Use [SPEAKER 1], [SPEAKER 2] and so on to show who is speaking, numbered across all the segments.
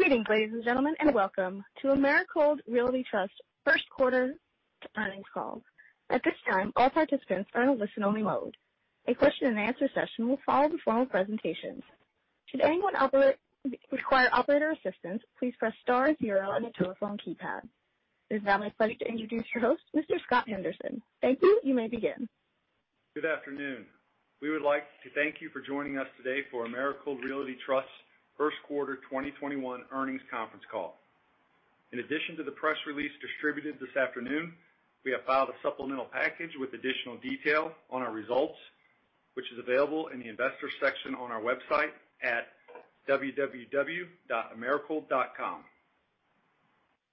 [SPEAKER 1] Greetings, ladies and gentlemen, and welcome to Americold Realty Trust First Quarter Earnings Call. At this time, all participants are only listen-only mode. A question-and-answer session will follow the phone presentation. Should anyone who require operator assistance, please press star zero on your telephone keypad. It is now my pleasure to introduce your host, Mr. Scott Henderson. Thank you. You may begin.
[SPEAKER 2] Good afternoon. We would like to thank you for joining us today, for Americold Realty Trust First Quarter 2021 Earnings Conference Call. In addition to the press release distributed this afternoon. We have filed a supplemental package, with additional detail on our results. Which is available in the Investors section on our website at www.americold.com.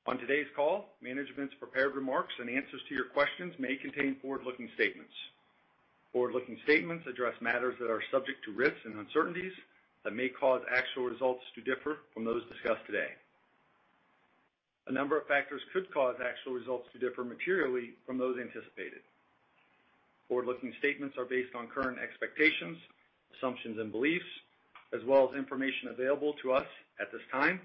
[SPEAKER 2] On today's call, management's prepared remarks, and answers to your questions, may contain forward-looking statements. Forward-looking statements address matters that are subject to risks, and uncertainties. That may cause actual results, to differ from those discussed today. A number of factors could cause actual results, to differ materially from those anticipated. Forward-looking statements are based on current expectations, assumptions, and beliefs. As well as information available to us. At this time,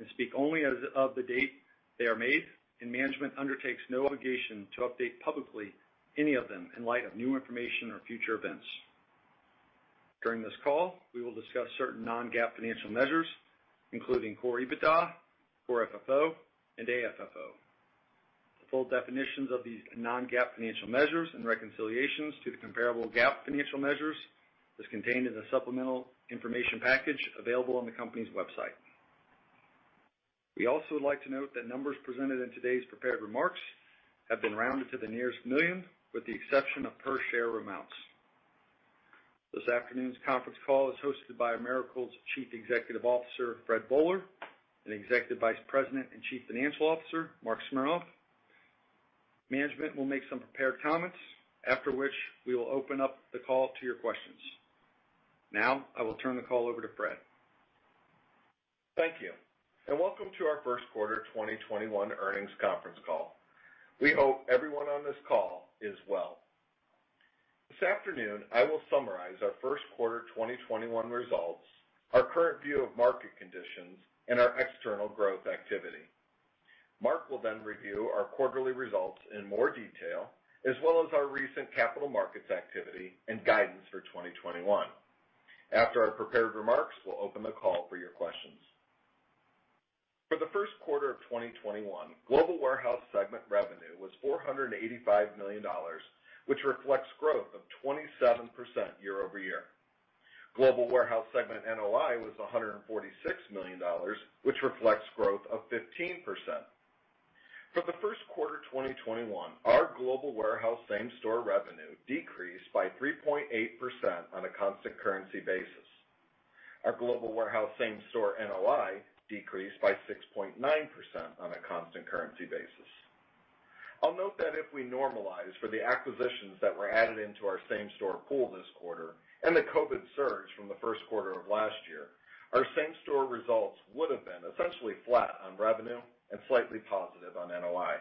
[SPEAKER 2] and speak only as of the date they are made. And management undertakes no obligation to update publicly. Any of them in light of new information or future events. During this call, we will discuss certain non-GAAP financial measures. Including Core EBITDA, Core FFO, and AFFO. The full definitions of these non-GAAP financial measures, and reconciliations. To the comparable GAAP financial measures, is contained in the supplemental information package available on the company's website. We also would like to note, that numbers presented in today's prepared remarks. Have been rounded to the nearest million, with the exception of per share amounts. This afternoon's conference call is hosted by Americold's Chief Executive Officer, Fred Boehler. And Executive Vice President and Chief Financial Officer, Marc Smernoff. Management will make some prepared comments. After which we will open up, the call to your questions. I will turn the call over to Fred.
[SPEAKER 3] Thank you, and welcome to our First Quarter 2021 Earnings Conference Call. We hope everyone on this call is well. This afternoon, I will summarize our first quarter 2021 results. Our current view of market conditions, and our external growth activity. Marc will then review our quarterly results in more detail. As well as our recent capital markets activity, and guidance for 2021. After our prepared remarks, we'll open the call for your questions. For the first quarter of 2021, Global Warehouse segment revenue was $485 million. Which reflects growth of 27% year-over-year. Global Warehouse segment NOI was $146 million, which reflects growth of 15%. For the first quarter 2021, our Global Warehouse same-store revenue. Decreased by 3.8% on a constant currency basis. Our Global Warehouse same-store NOI, decreased by 6.9% on a constant currency basis. I'll note that, if we normalize for the acquisitions. That were added into our same-store pool this quarter, and the COVID surge. From the first quarter of last year. Our same-store results would've been essentially flat on revenue, and slightly positive on NOI.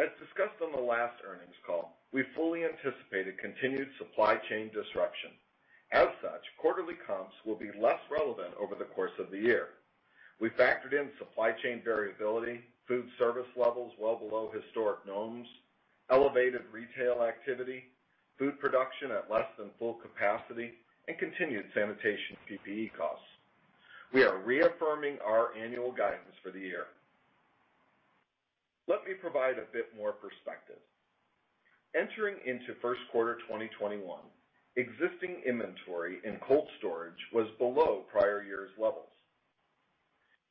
[SPEAKER 3] As discussed on the last earnings call, we fully anticipated continued supply chain disruption. As such, quarterly comps will be less relevant over the course of the year. We factored in supply chain variability, food service levels well below historic norms. Elevated retail activity, food production at less than full capacity, and continued sanitation PPE costs. We are reaffirming our annual guidance for the year. Let me provide a bit more perspective. Entering into first quarter 2021, existing inventory in cold storage, was below prior years' levels.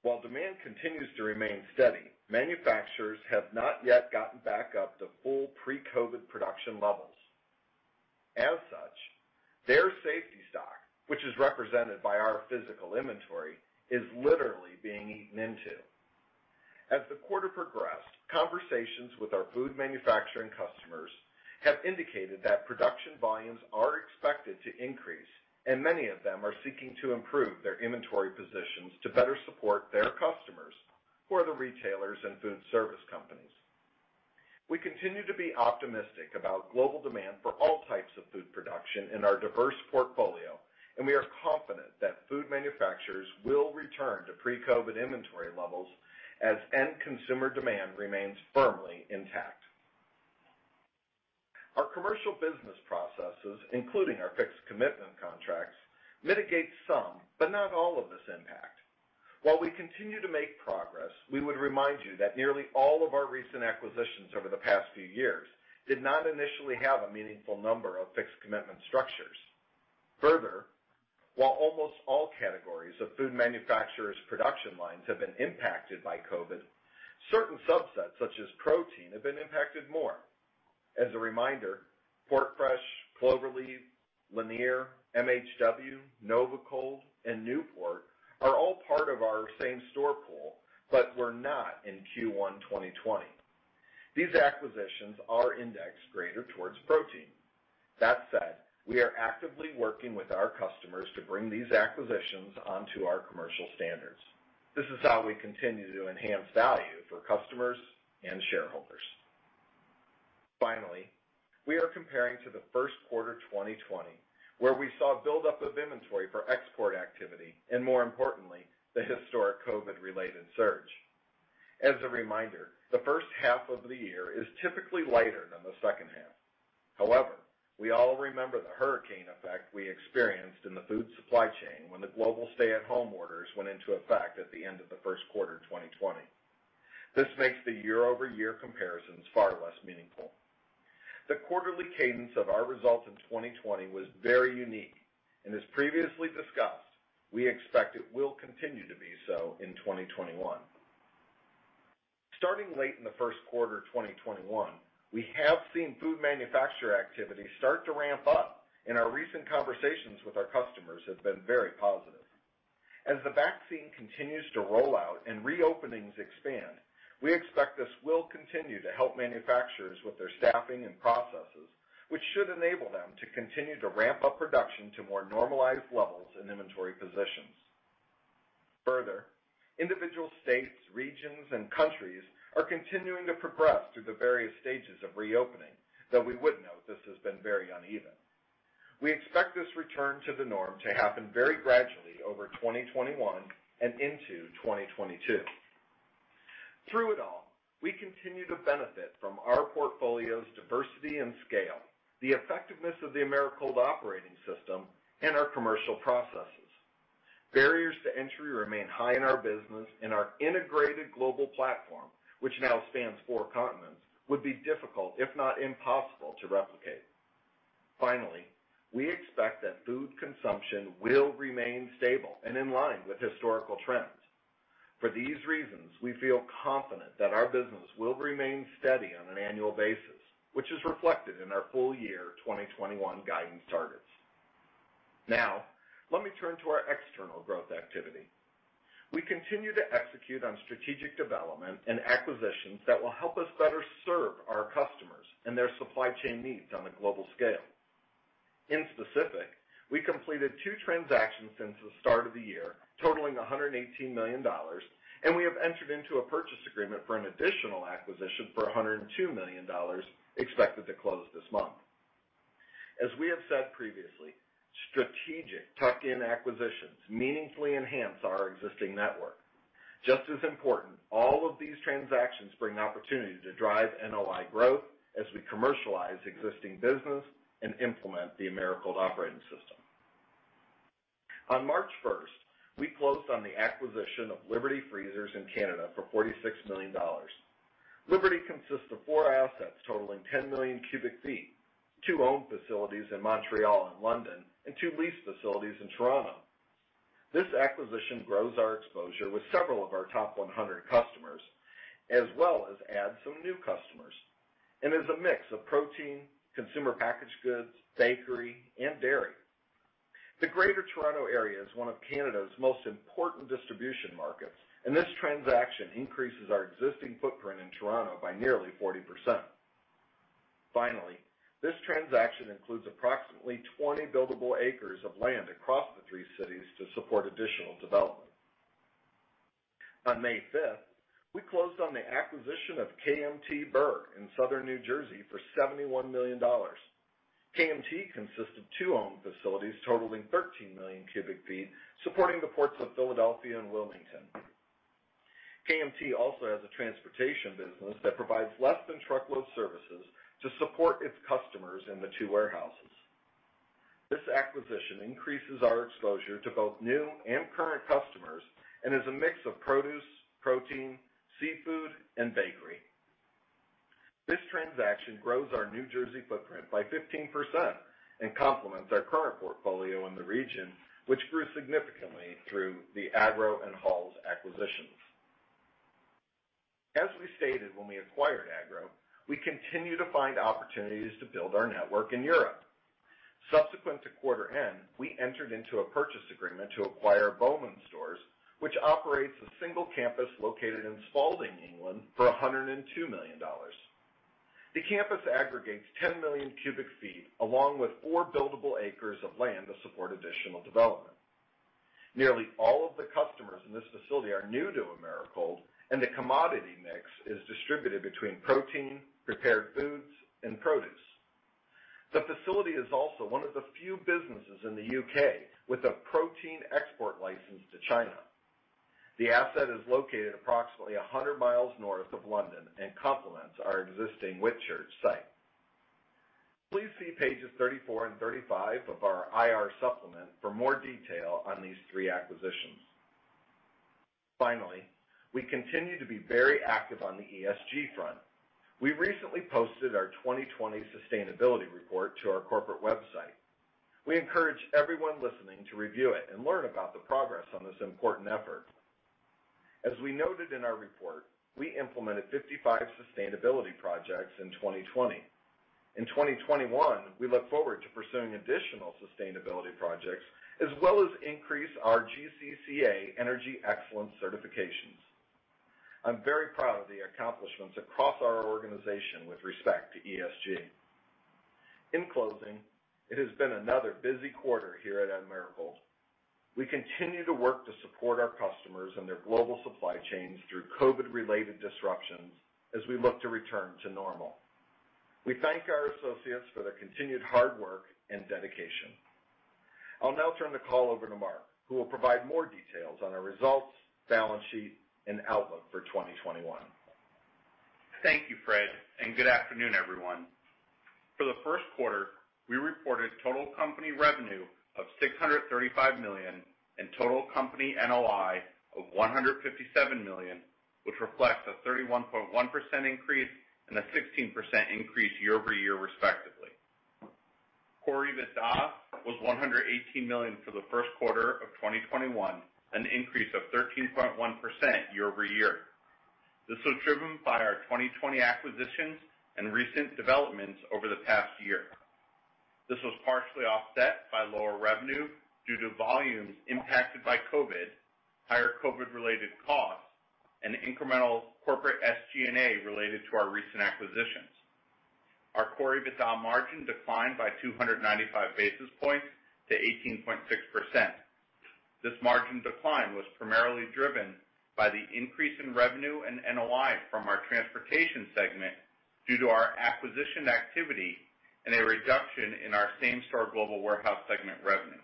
[SPEAKER 3] While demand continues to remain steady. Manufacturers have not yet gotten back up, to full pre-COVID production levels. As such, their safety stock. Which is represented by our physical inventory, is literally being eaten into. As the quarter progressed, conversations with our food manufacturing customers. Have indicated that production volumes, are expected to increase. And many of them are seeking, to improve their inventory positions. To better support their customers. Who are the retailers, and food service companies. We continue to be optimistic, about global demand. For all types of food production in our diverse portfolio, and we are confident that food manufacturers. Will return to pre-COVID inventory levels. As end consumer demand remains firmly intact. Our commercial business processes, including our fixed commitment contracts. Mitigate some, but not all of this impact. While we continue to make progress, we would remind you. That nearly all of our recent acquisitions, over the past few years. Did not initially have a meaningful number, of fixed commitment structures. Further, while almost all categories of food manufacturers' production lines, have been impacted by COVID. Certain subsets, such as protein, have been impacted more. As a reminder, PortFresh, Cloverleaf, Lanier, MHW, Nova Cold, and Newport. Are all part of our same-store pool, but were not in Q1 2020. These acquisitions are indexed greater towards protein. That said, we are actively working with our customers. To bring these acquisitions, onto our commercial standards. This is how we continue to enhance value for customers, and shareholders. Finally, we are comparing to the first quarter 2020. Where we saw buildup of inventory for export activity. And more importantly, the historic COVID-related surge. As a reminder, the first half of the year is typically lighter, than the second half. We all remember the hurricane effect, we experienced in the food supply chain. When the global stay-at-home orders, went into effect at the end of the first quarter 2020. This makes the year-over-year comparisons far less meaningful. The quarterly cadence of our results in 2020 was very unique. As previously discussed, we expect it will continue to be so in 2021. Starting late in the first quarter 2021. We have seen food manufacturer activity, start to ramp up. Our recent conversations with our customers, have been very positive. As the vaccine continues to roll out, and reopenings expand. We expect this will continue, to help manufacturers with their staffing, and processes. Which should enable them, to continue to ramp up production. To more normalized levels, and inventory positions. Further, individual states, regions, and countries. Are continuing to progress, through the various stages of reopening. Though we would note this, has been very uneven. We expect this return to the norm, to happen very gradually over 2021, and into 2022. Through it all, we continue to benefit from our portfolio's diversity, and scale. The effectiveness of the Americold Operating System, and our commercial processes. Barriers to entry remain high in our business, and our integrated global platform. Which now spans four continents. Would be difficult, if not impossible, to replicate. Finally, we expect that food consumption will remain stable, and in line with historical trends. For these reasons, we feel confident that our business will remain steady on an annual basis. Which is reflected in our full year 2021 guidance targets. Now, let me turn to our external growth activity. We continue to execute on strategic development, and acquisitions. That will help us better serve our customers, and their supply chain needs on a global scale. In specific, we completed two transactions since the start of the year, totaling $118 million. We have entered into a purchase agreement. For an additional acquisition for $102 million, expected to close this month. As we have said previously, strategic tuck-in acquisitions. Meaningfully, enhance our existing network. Just as important, all of these transactions bring opportunity. To drive NOI growth, as we commercialize existing business. And implement the Americold Operating System. On March 1st, we closed on the acquisition of Liberty Freezers in Canada for $46 million. Liberty consists of four assets, totaling 10 million cu ft. Two owned facilities in Montreal and London, and two leased facilities in Toronto. This acquisition grows our exposure, with several of our top 100 customers. As well as adds some new customers, and is a mix of protein, consumer packaged goods, bakery, and dairy. The greater Toronto area is one of Canada's most important distribution markets. And this transaction increases our existing footprint in Toronto by nearly 40%. Finally, this transaction includes approximately 20 buildable acres of land. Across the three cities, to support additional development. On May 5th, we closed on the acquisition of KMT Brrr!, in Southern New Jersey for $71 million. KMT consists of two owned facilities, totaling 13 million cu ft. Supporting the Ports of Philadelphia and Wilmington. KMT also has a transportation business, that provides less-than-truckload services. To support its customers in the two warehouses. This acquisition increases our exposure. To both new, and current customers. And is a mix of produce, protein, seafood, and bakery. This transaction grows our New Jersey footprint by 15%, and complements our current portfolio in the region. Which grew significantly through the Agro, and Hall's acquisitions. As we stated, when we acquired Agro. We continue to find opportunities, to build our network in Europe. Subsequent to quarter end, we entered into a purchase agreement to acquire Bowman Stores. Which operates a single campus located in Spalding, England, for $102 million. The campus aggregates 10 million cu ft. Along with four buildable acres of land, to support additional development. Nearly, all of the customers in this facility are new to Americold. And the commodity mix is distributed between protein, prepared foods, and produce. The facility is also one of the few businesses in the U.K., with a protein export license to China. The asset is located approximately 100 mi north of London, and complements our existing Whitchurch site. Please see pages 34, and 35 of our IR supplement, for more detail on these three acquisitions. Finally, we continue to be very active on the ESG front. We recently posted our 2020 sustainability report, to our corporate website. We encourage everyone listening to review it, and learn about the progress on this important effort. As we noted in our report, we implemented 55 sustainability projects in 2020. In 2021, we look forward to pursuing additional sustainability projects. As well as increase, our GCCA Energy Excellence certifications. I'm very proud of the accomplishments, across our organization with respect to ESG. In closing, it has been another busy quarter here at Americold. We continue to work to support our customers, and their global supply chains. Through COVID-related disruptions, as we look to return to normal. We thank our associates for their continued hard work, and dedication. I'll now turn the call over to Marc. Who will provide more details on our results, balance sheet, and outlook for 2021.
[SPEAKER 4] Thank you, Fred, and good afternoon, everyone. For the first quarter, we reported total company revenue of $635 million. And total company NOI of $157 million. Which reflects a 31.1% increase, and a 16% increase year-over-year, respectively. Core EBITDA was $118 million for the first quarter of 2021, an increase of 13.1% year-over-year. This was driven by our 2020 acquisitions, and recent developments over the past year. This was partially offset by lower revenue, due to volumes impacted by COVID. Higher COVID-related costs, and incremental corporate SG&A. Related to our recent acquisitions. Our Core EBITDA margin declined, by 295 basis points to 18.6%. This margin decline was primarily driven. By the increase in revenue, and NOI from our transportation segment. Due to our acquisition activity, and a reduction in our same-store Global Warehouse segment revenue.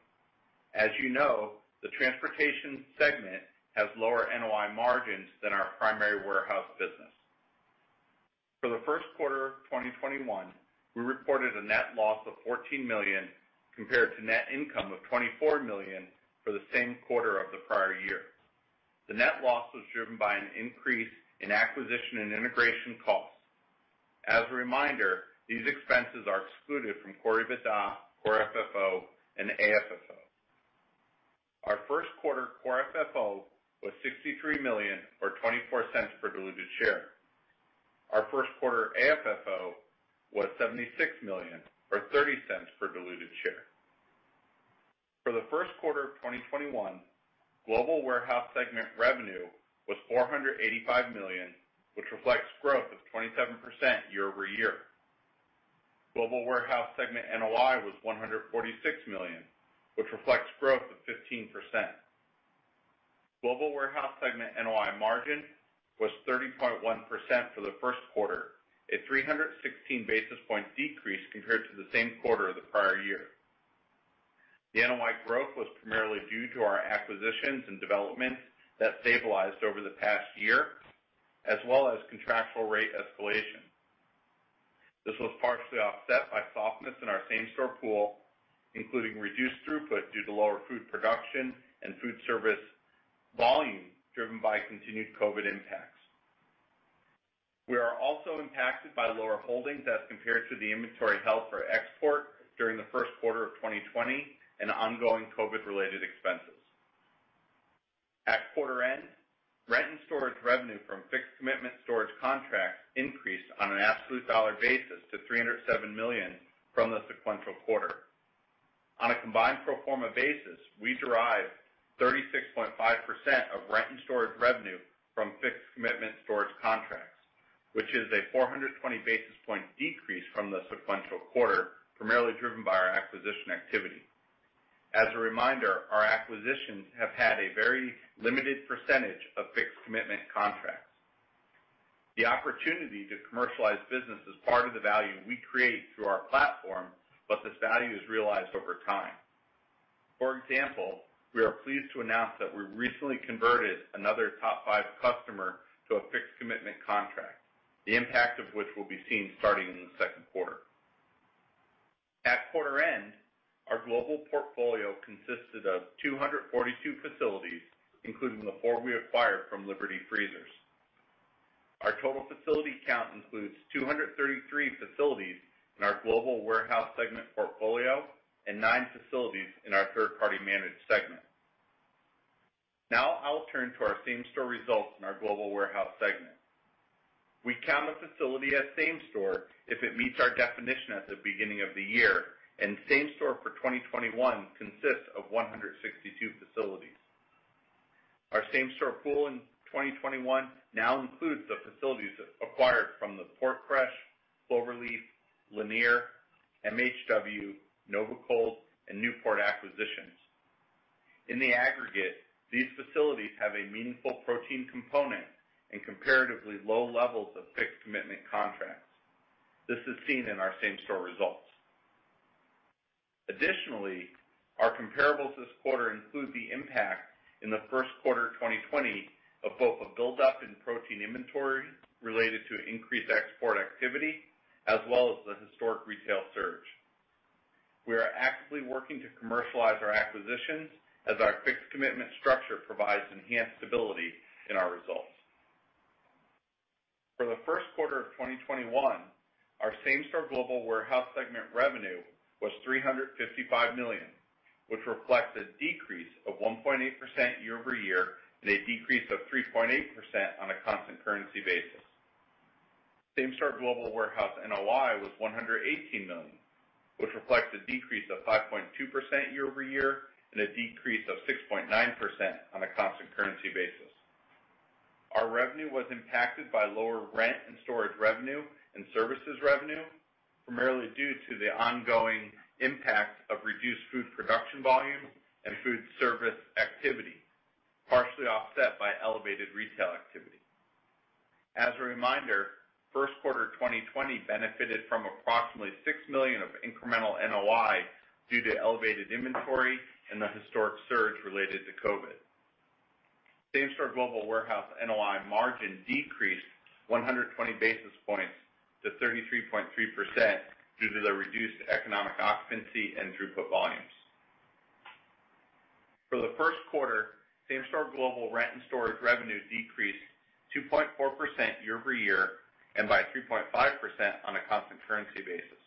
[SPEAKER 4] As you know, the transportation segment. Has lower NOI margins, than our primary warehouse business. For the first quarter of 2021, we reported a net loss of $14 million. Compared to net income of $24 million, for the same quarter of the prior year. The net loss was driven by an increase in acquisition, and integration costs. As a reminder, these expenses are excluded from Core EBITDA, Core FFO, and AFFO. Our first quarter Core FFO was $63 million, or $0.24 per diluted share. Our first quarter AFFO was $76 million, or $0.30 per diluted share. For the first quarter of 2021, Global Warehouse segment revenue was $485 million. Which reflects growth of 27% year-over-year. Global Warehouse segment NOI was $146 million, which reflects growth of 15%. Global Warehouse segment NOI margin, was 30.1% for the first quarter. A 316 basis points decrease compared to the same quarter of the prior year. The NOI growth was primarily due to our acquisitions, and developments. That stabilized over the past year, as well as contractual rate escalation. This was partially offset, by softness in our same-store pool. Including reduced throughput, due to lower food production. And food service volume driven by continued COVID impacts. We are also impacted by lower holdings, as compared to the inventory held for export. During the first quarter of 2020, and ongoing COVID-related expenses. At quarter end, rent, and storage revenue from fixed commitment storage contracts. Increased on an absolute dollar basis, to $307 million from the sequential quarter. On a combined pro forma basis, we derived 36.5% of rent, and storage revenue. From fixed commitment storage contracts. Which is a 420-basis point decrease from the sequential quarter. Primarily, driven by our acquisition activity. As a reminder, our acquisitions have had a very limited percentage, of fixed commitment contracts. The opportunity, to commercialize business is part of the value. We create through our platform, but this value is realized over time. For example, we are pleased to announce. That we recently converted another top five customer, to a fixed commitment contract. The impact of which will be seen starting in the second quarter. At quarter end, our global portfolio consisted of 242 facilities. Including the four we acquired from Liberty Freezers. Our total facility count includes 233 facilities, in our Global Warehouse segment portfolio. And nine facilities, in our third-party managed segment. I'll turn to our same-store results, in our Global Warehouse segment. We count a facility as same-store, if it meets our definition at the beginning of the year. Same-store for 2021, consists of 162 facilities. Our same-store pool in 2021, now includes the facilities. Acquired from the PortFresh, Cloverleaf, Lanier, MHW, Nova Cold, and Newport acquisitions. In the aggregate, these facilities have a meaningful protein component. And comparatively low levels, of fixed commitment contracts. This is seen in our same-store results. Additionally, our comparables this quarter, include the impact in the first quarter of 2020. Of both a buildup in protein inventory, related to increased export activity. As well as the historic retail surge. We are actively working, to commercialize our acquisitions. As our fixed commitment structure, provides enhanced stability in our results. For the first quarter of 2021, our same-store Global Warehouse segment revenue was $355 million. Which reflects a decrease, of 1.8% year-over-year. And a decrease of 3.8% on a constant currency basis. Same-store Global Warehouse NOI was $118 million. Which reflects a decrease of 5.2% year-over-year, and a decrease of 6.9% on a constant currency basis. Our revenue was impacted by lower rent, and storage revenue, and services revenue. Primarily due to the ongoing impact, of reduced food production volume, and food service activity. Partially, offset by elevated retail activity. As a reminder, first quarter 2020 benefited from approximately $6 million of incremental NOI. Due to elevated inventory, and the historic surge related to COVID. Same-store Global Warehouse NOI margin, decreased 120 basis points to 33.3%. Due to the reduced economic occupancy, and throughput volumes. For the first quarter, same-store global rent, and storage revenue. Decreased 2.4% year-over-year, and by 3.5% on a constant currency basis.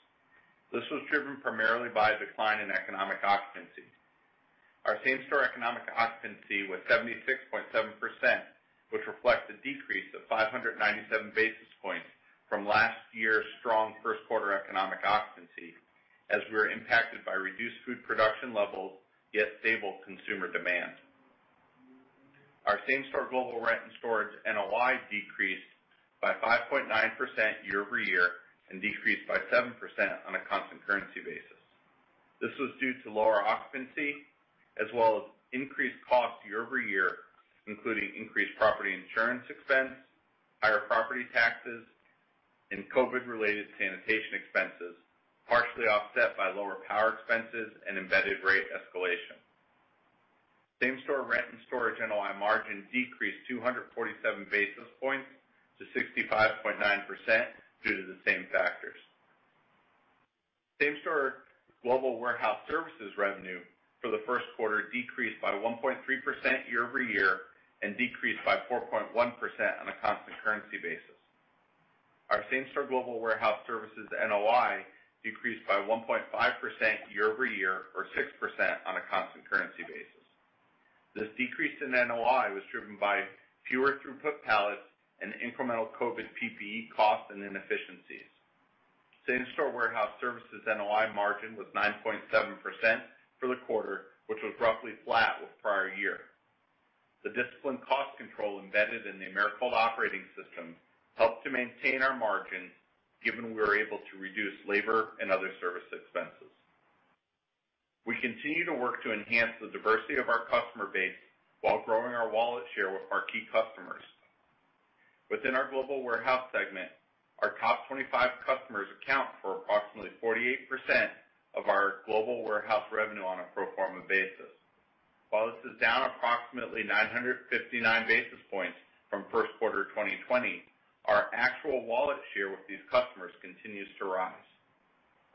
[SPEAKER 4] This was driven primarily, by a decline in economic occupancy. Our same-store economic occupancy was 76.7%, which reflects a decrease of 597 basis points. From last year's strong first quarter economic occupancy. As we were impacted by reduced food production levels, yet stable consumer demand. Our same-store global rent, and storage NOI. Decreased by 5.9% year-over-year, and decreased by 7% on a constant currency basis. This was due to lower occupancy, as well as increased costs year-over-year. Including increased property insurance expense, higher property taxes, and COVID-related sanitation expenses. Partially, offset by lower power expenses, and embedded rate escalation. Same-store rent, and storage NOI margin decreased 247 basis points, to 65.9% due to the same factors. Same-store Global Warehouse services revenue for the first quarter. Decreased by 1.3% year-over-year, and decreased by 4.1% on a constant currency basis. Our same-store Global Warehouse services NOI, decreased by 1.5% year-over-year, or 6% on a constant currency basis. This decrease in NOI, was driven by fewer throughput pallets. And incremental COVID PPE costs, and inefficiencies. Same-store warehouse services NOI margin was 9.7% for the quarter. Which was roughly flat with prior year. The disciplined cost control embedded in the Americold Operating System. Helped to maintain our margins, given we were able to reduce labor, and other service expenses. We continue to work, to enhance the diversity of our customer base. While growing our wallet share with our key customers. Within our Global Warehouse segment, our top 25 customers account for approximately 48%. Of our Global Warehouse revenue on a pro forma basis. While this is down approximately, 959 basis points from first quarter 2020. Our actual wallet share, with these customers continues to rise.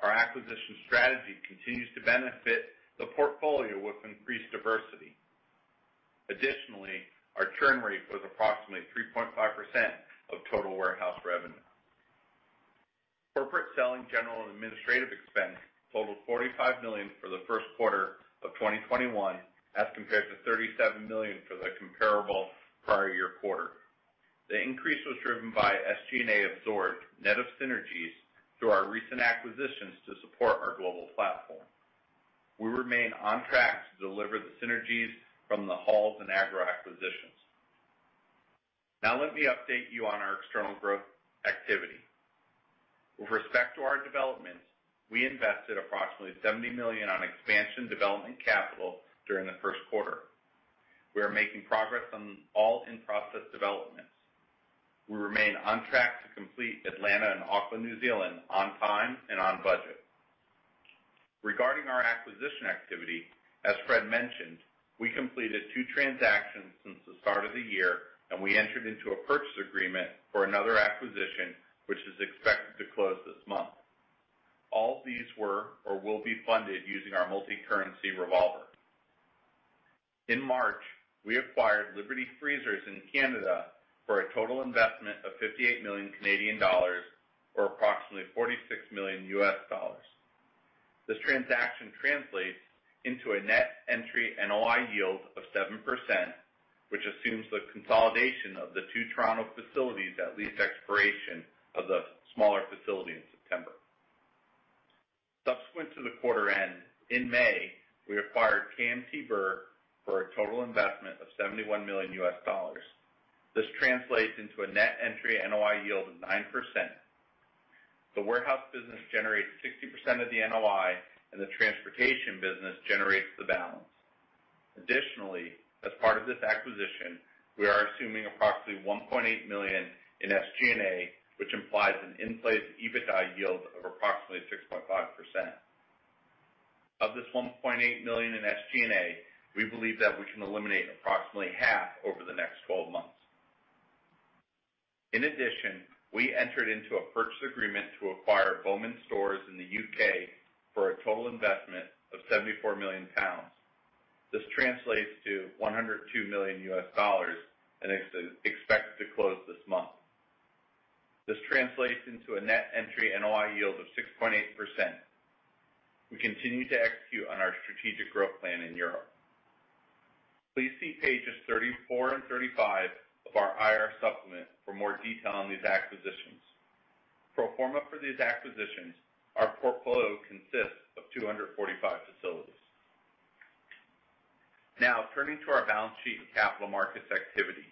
[SPEAKER 4] Our acquisition strategy continues to benefit, the portfolio with increased diversity. Additionally, our churn rate was approximately 3.5%, of total warehouse revenue. Corporate selling, general, and administrative expense. Totaled $45 million for the first quarter of 2021. As compared to $37 million, for the comparable prior year quarter. The increase was driven by SG&A absorbed net of synergies. Through our recent acquisitions, to support our global platform. We remain on track to deliver the synergies from the Hall's, and Agro acquisitions. Now, let me update you on our external growth activity. With respect to our developments. We invested approximately $70 million, on expansion development capital during the first quarter. We are making progress, on all in-process developments. We remain on track to complete Atlanta and Auckland, New Zealand on time, and on budget. Regarding our acquisition activity, as Fred mentioned. We completed two transactions, since the start of the year. And we entered into a purchase agreement for another acquisition. Which is expected to close this month. All these were, or will be funded using our multicurrency revolver. In March, we acquired Liberty Freezers in Canada. For a total investment of 58 million Canadian dollars, or approximately $46 million. This transaction translates into a net entry NOI yield of 7%. Which assumes the consolidation of the two Toronto facilities. At lease expiration, of the smaller facility in September. Subsequent to the quarter end, in May, we acquired KMT Brrr! for a total investment of $71 million. This translates into a net entry NOI yield of 9%. The warehouse business generates 60% of the NOI, and the transportation business generates the balance. Additionally, as part of this acquisition, we are assuming approximately $1.8 million in SG&A. Which implies an in-place EBITDA yield of approximately 6.5%. Of this $1.8 million in SG&A, we believe that we can eliminate approximately half, over the next 12 months. In addition, we entered into a purchase agreement to acquire Bowman Stores in the U.K., for a total investment of 74 million pounds. This translates to $102 million, and is expected to close this month. This translates into a net entry NOI yield of 6.8%. We continue to execute on our strategic growth plan in Europe. Please see pages 34, and 35 of our IR supplement, for more detail on these acquisitions. Pro forma for these acquisitions, our portfolio consists of 245 facilities. Turning to our balance sheet, and capital markets activity.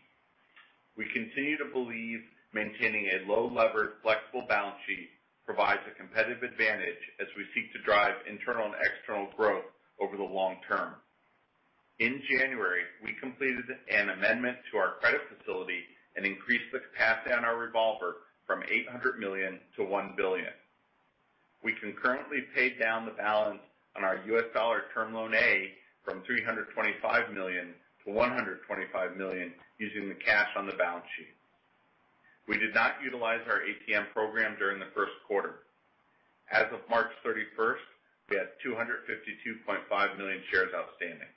[SPEAKER 4] We continue to believe maintaining a low-leveraged, flexible balance sheet. Provides a competitive advantage as we seek to drive internal, and external growth over the long term. In January, we completed an amendment to our credit facility. And increased the capacity on our revolver, from $800 million to $1 billion. We concurrently paid down the balance, on our U.S. dollar term loan A. from $325 million-$125 million using the cash on the balance sheet. We did not utilize our ATM program, during the first quarter. As of March 31st, we had 252.5 million shares outstanding.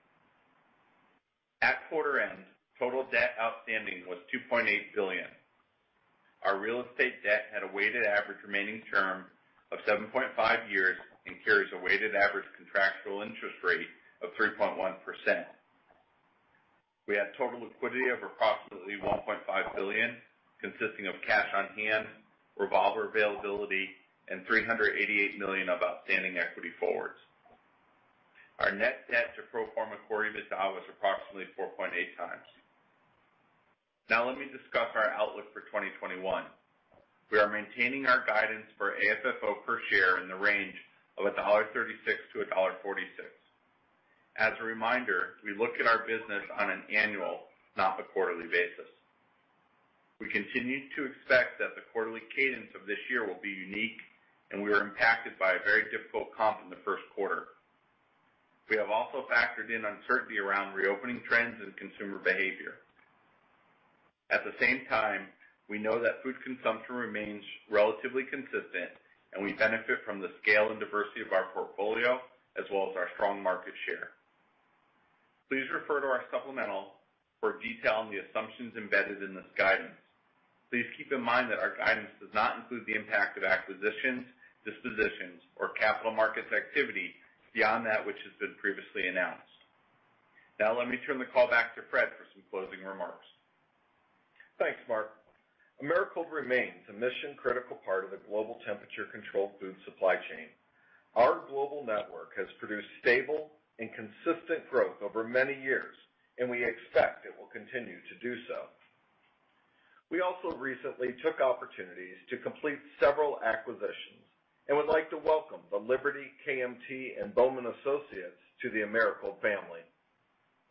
[SPEAKER 4] At quarter end, total debt outstanding was $2.8 billion. Our real estate debt, had a weighted average remaining term of 7.5 years. And carries a weighted average contractual interest rate of 3.1%. We had total liquidity of approximately $1.5 billion. Consisting of cash on hand, revolver availability, and $388 million of outstanding equity forwards. Our net debt to pro forma Core EBITDA, was approximately 4.8x. Let me discuss our outlook for 2021. We are maintaining our guidance, for AFFO per share in the range of $1.36-$1.46. As a reminder, we look at our business on an annual, not a quarterly basis. We continue to expect that, the quarterly cadence of this year will be unique. And we are impacted by a very difficult comp in the first quarter. We have also factored in uncertainty around reopening trends, and consumer behavior. At the same time, we know that food consumption remains relatively consistent. And we benefit from the scale, and diversity of our portfolio. As well as our strong market share. Please refer to our supplemental, for detail on the assumptions embedded in this guidance. Please keep in mind that our guidance, does not include the impact of acquisitions, dispositions, or capital markets activity. Beyond that which has been previously announced. Let me turn the call back to Fred, for some closing remarks.
[SPEAKER 3] Thanks, Marc. Americold remains a mission-critical part, of the global temperature-controlled food supply chain. Our global network has produced stable, and consistent growth over many years. And we expect it, will continue to do so. We also recently took opportunities, to complete several acquisitions. And would like to welcome the Liberty, KMT, and Bowman Stores to the Americold family.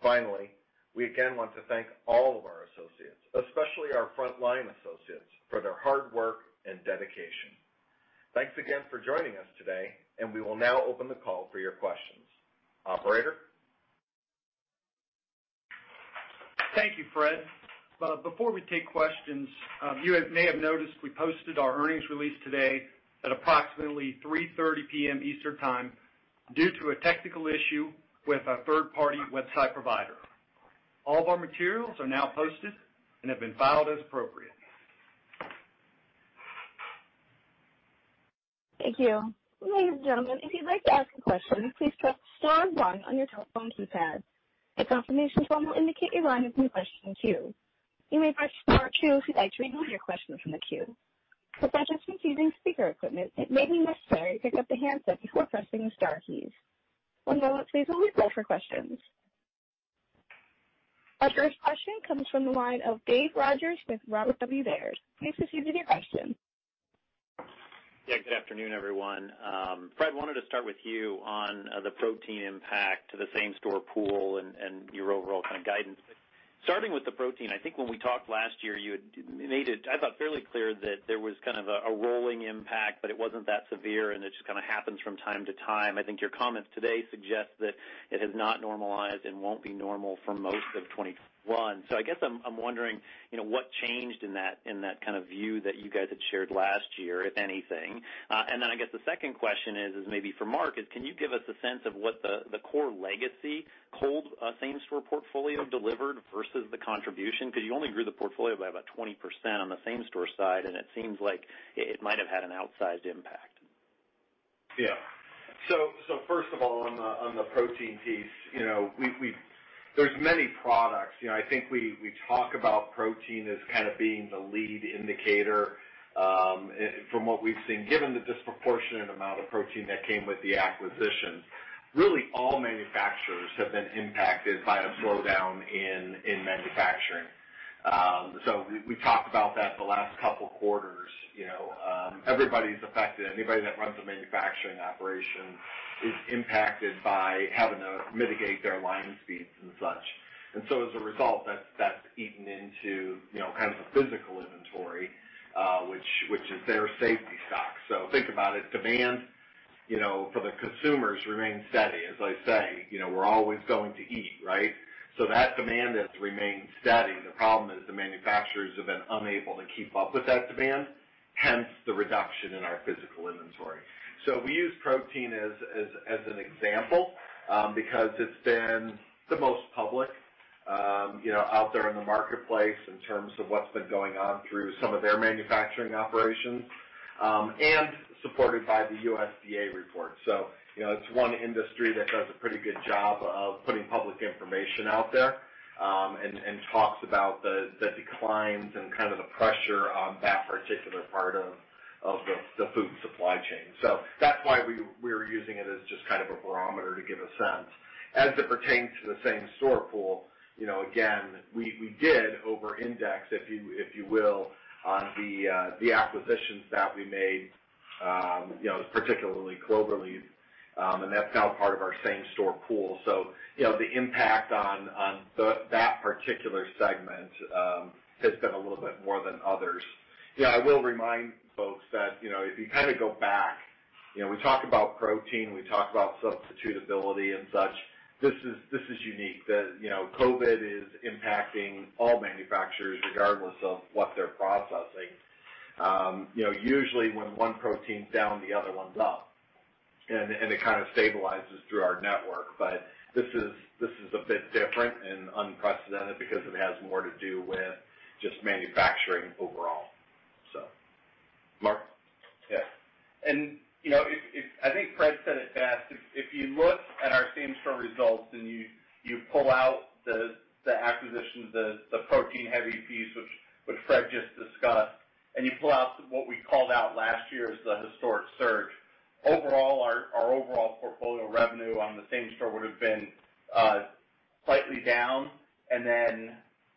[SPEAKER 3] Finally, we again want to thank all of our associates. Especially, our frontline associates for their hard work, and dedication. Thanks again for joining us today, and we will now open the call for your questions. Operator?
[SPEAKER 2] Thank you, Fred. Before we take questions, you may have noticed. We posted our earnings release today, at approximately 3:30 P.M. Eastern Time. Due to a technical issue, with our third-party website provider. All of our materials are now posted, and have been filed as appropriate.
[SPEAKER 1] Thank you. Ladies and gentlemen, if you'd like to ask a question. Please press star one on your telephone keypad. A confirmation tone will indicate your line, has been placed in the queue. You may press star two, if you'd like to remove your question from the queue. For participants using speaker equipment, it may be necessary to pick up the handset, before pressing the star keys. One moment please, while we call for questions. Our first question comes from the line of Dave Rogers, with Robert W. Baird. Please proceed with your question.
[SPEAKER 5] Yeah, good afternoon, everyone. Fred, wanted to start with you. On the protein impact to the same-store pool, and your overall kind of guidance. Starting with the protein, I think when we talked last year. You had made it, I thought, fairly clear that there was kind of a rolling impact. But it wasn't that severe, and it just kind of happens from time to time. I think your comments today, suggest that it has not normalized, and won't be normal for most of 2021. I guess I'm wondering, what changed in that kind of view? That you guys had shared last year, if anything. I guess the second question is maybe for Marc. Is can you give us a sense of, what the core legacy cold same-store portfolio delivered, versus the contribution? You only grew the portfolio, by about 20% on the same-store side. And it seems like, it might have had an outsized impact.
[SPEAKER 3] First of all, on the protein piece, there's many products. I think we talk about protein, as kind of being the lead indicator. From what we've seen, given the disproportionate amount of protein. That came with the acquisition. Really, all manufacturers have been impacted by a slowdown in manufacturing. We've talked about that the last couple quarters. Everybody's affected. Anybody that runs a manufacturing operation. Is impacted by having to mitigate their line speeds, and such. As a result, that's eaten into kind of the physical inventory. Which is their safety stock. Think about it, demand for the consumers remains steady. As I say, we're always going to eat, right? That demand has remained steady. The problem is the manufacturers, have been unable to keep up with that demand. Hence the reduction in our physical inventory. We use protein as an example, because it's been the most public, out there in the marketplace. In terms of, what's been going on through some of their manufacturing operations? And supported by the USDA report. It's one industry that does a pretty good job, of putting public information out there. Talks about the declines, and the pressure. On that particular part of the food supply chain. That's why we're using it as just a barometer, to get a sense. As it pertains to the same-store pool, again, we did over-index. If you will, on the acquisitions that we made. Particularly Cloverleaf, and that's now part of our same-store pool. The impact on that particular segment, hits them a little bit more than others. I will remind folks, that if you go back. We talk about protein, we talk about substitutability, and such. This is unique that COVID, is impacting all manufacturers. Regardless of what they're processing. Usually, when one protein's down, the other one's up. And it kind of stabilizes through our network. But this is a bit different, and unprecedented. Because it has more to do, with just manufacturing overall. Marc?
[SPEAKER 4] Yeah. I think Fred said it best. If you look at our same-store results, and you pull out the acquisitions. The protein-heavy piece, which Fred just discussed. And you pull out, what we called out last year as the historic surge. Our overall portfolio revenue on the same-store, would've been slightly down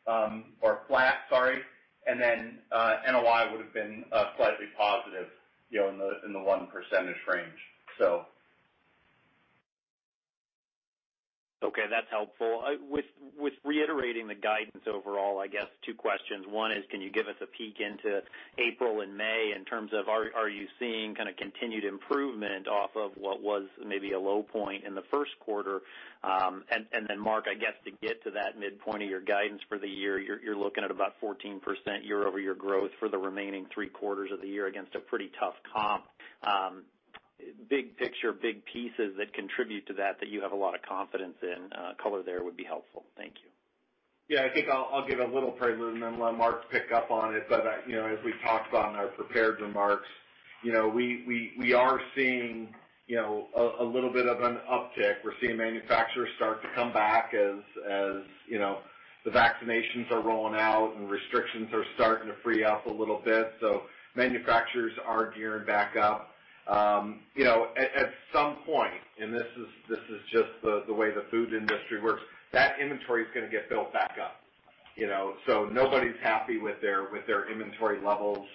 [SPEAKER 4] or flat, sorry. And then NOI would've been slightly positive, in the 1% range.
[SPEAKER 5] Okay, that's helpful. With reiterating the guidance overall, I guess two questions. One is, can you give us a peek into April, and May. In terms of are you seeing continued improvement off, of what was maybe a low point in the first quarter? Then Marc, I guess to get to that midpoint of your guidance for the year. You're looking at about 14% year-over-year growth. For the remaining three quarters of the year, against a pretty tough comp. Big picture, big pieces that contribute. To that you have a lot of confidence in, color there would be helpful. Thank you.
[SPEAKER 3] Yeah, I think I'll give a little prelude, and then let Marc pick up on it. As we talked about in our prepared remarks, we are seeing a little bit of an uptick. We're seeing manufacturers start to come back. As the vaccinations are rolling out, and restrictions are starting to free up a little bit. Manufacturers are gearing back up. At some point, and this is just the way the food industry works. That inventory's going to get built back up. Nobody's happy, with their inventory levels.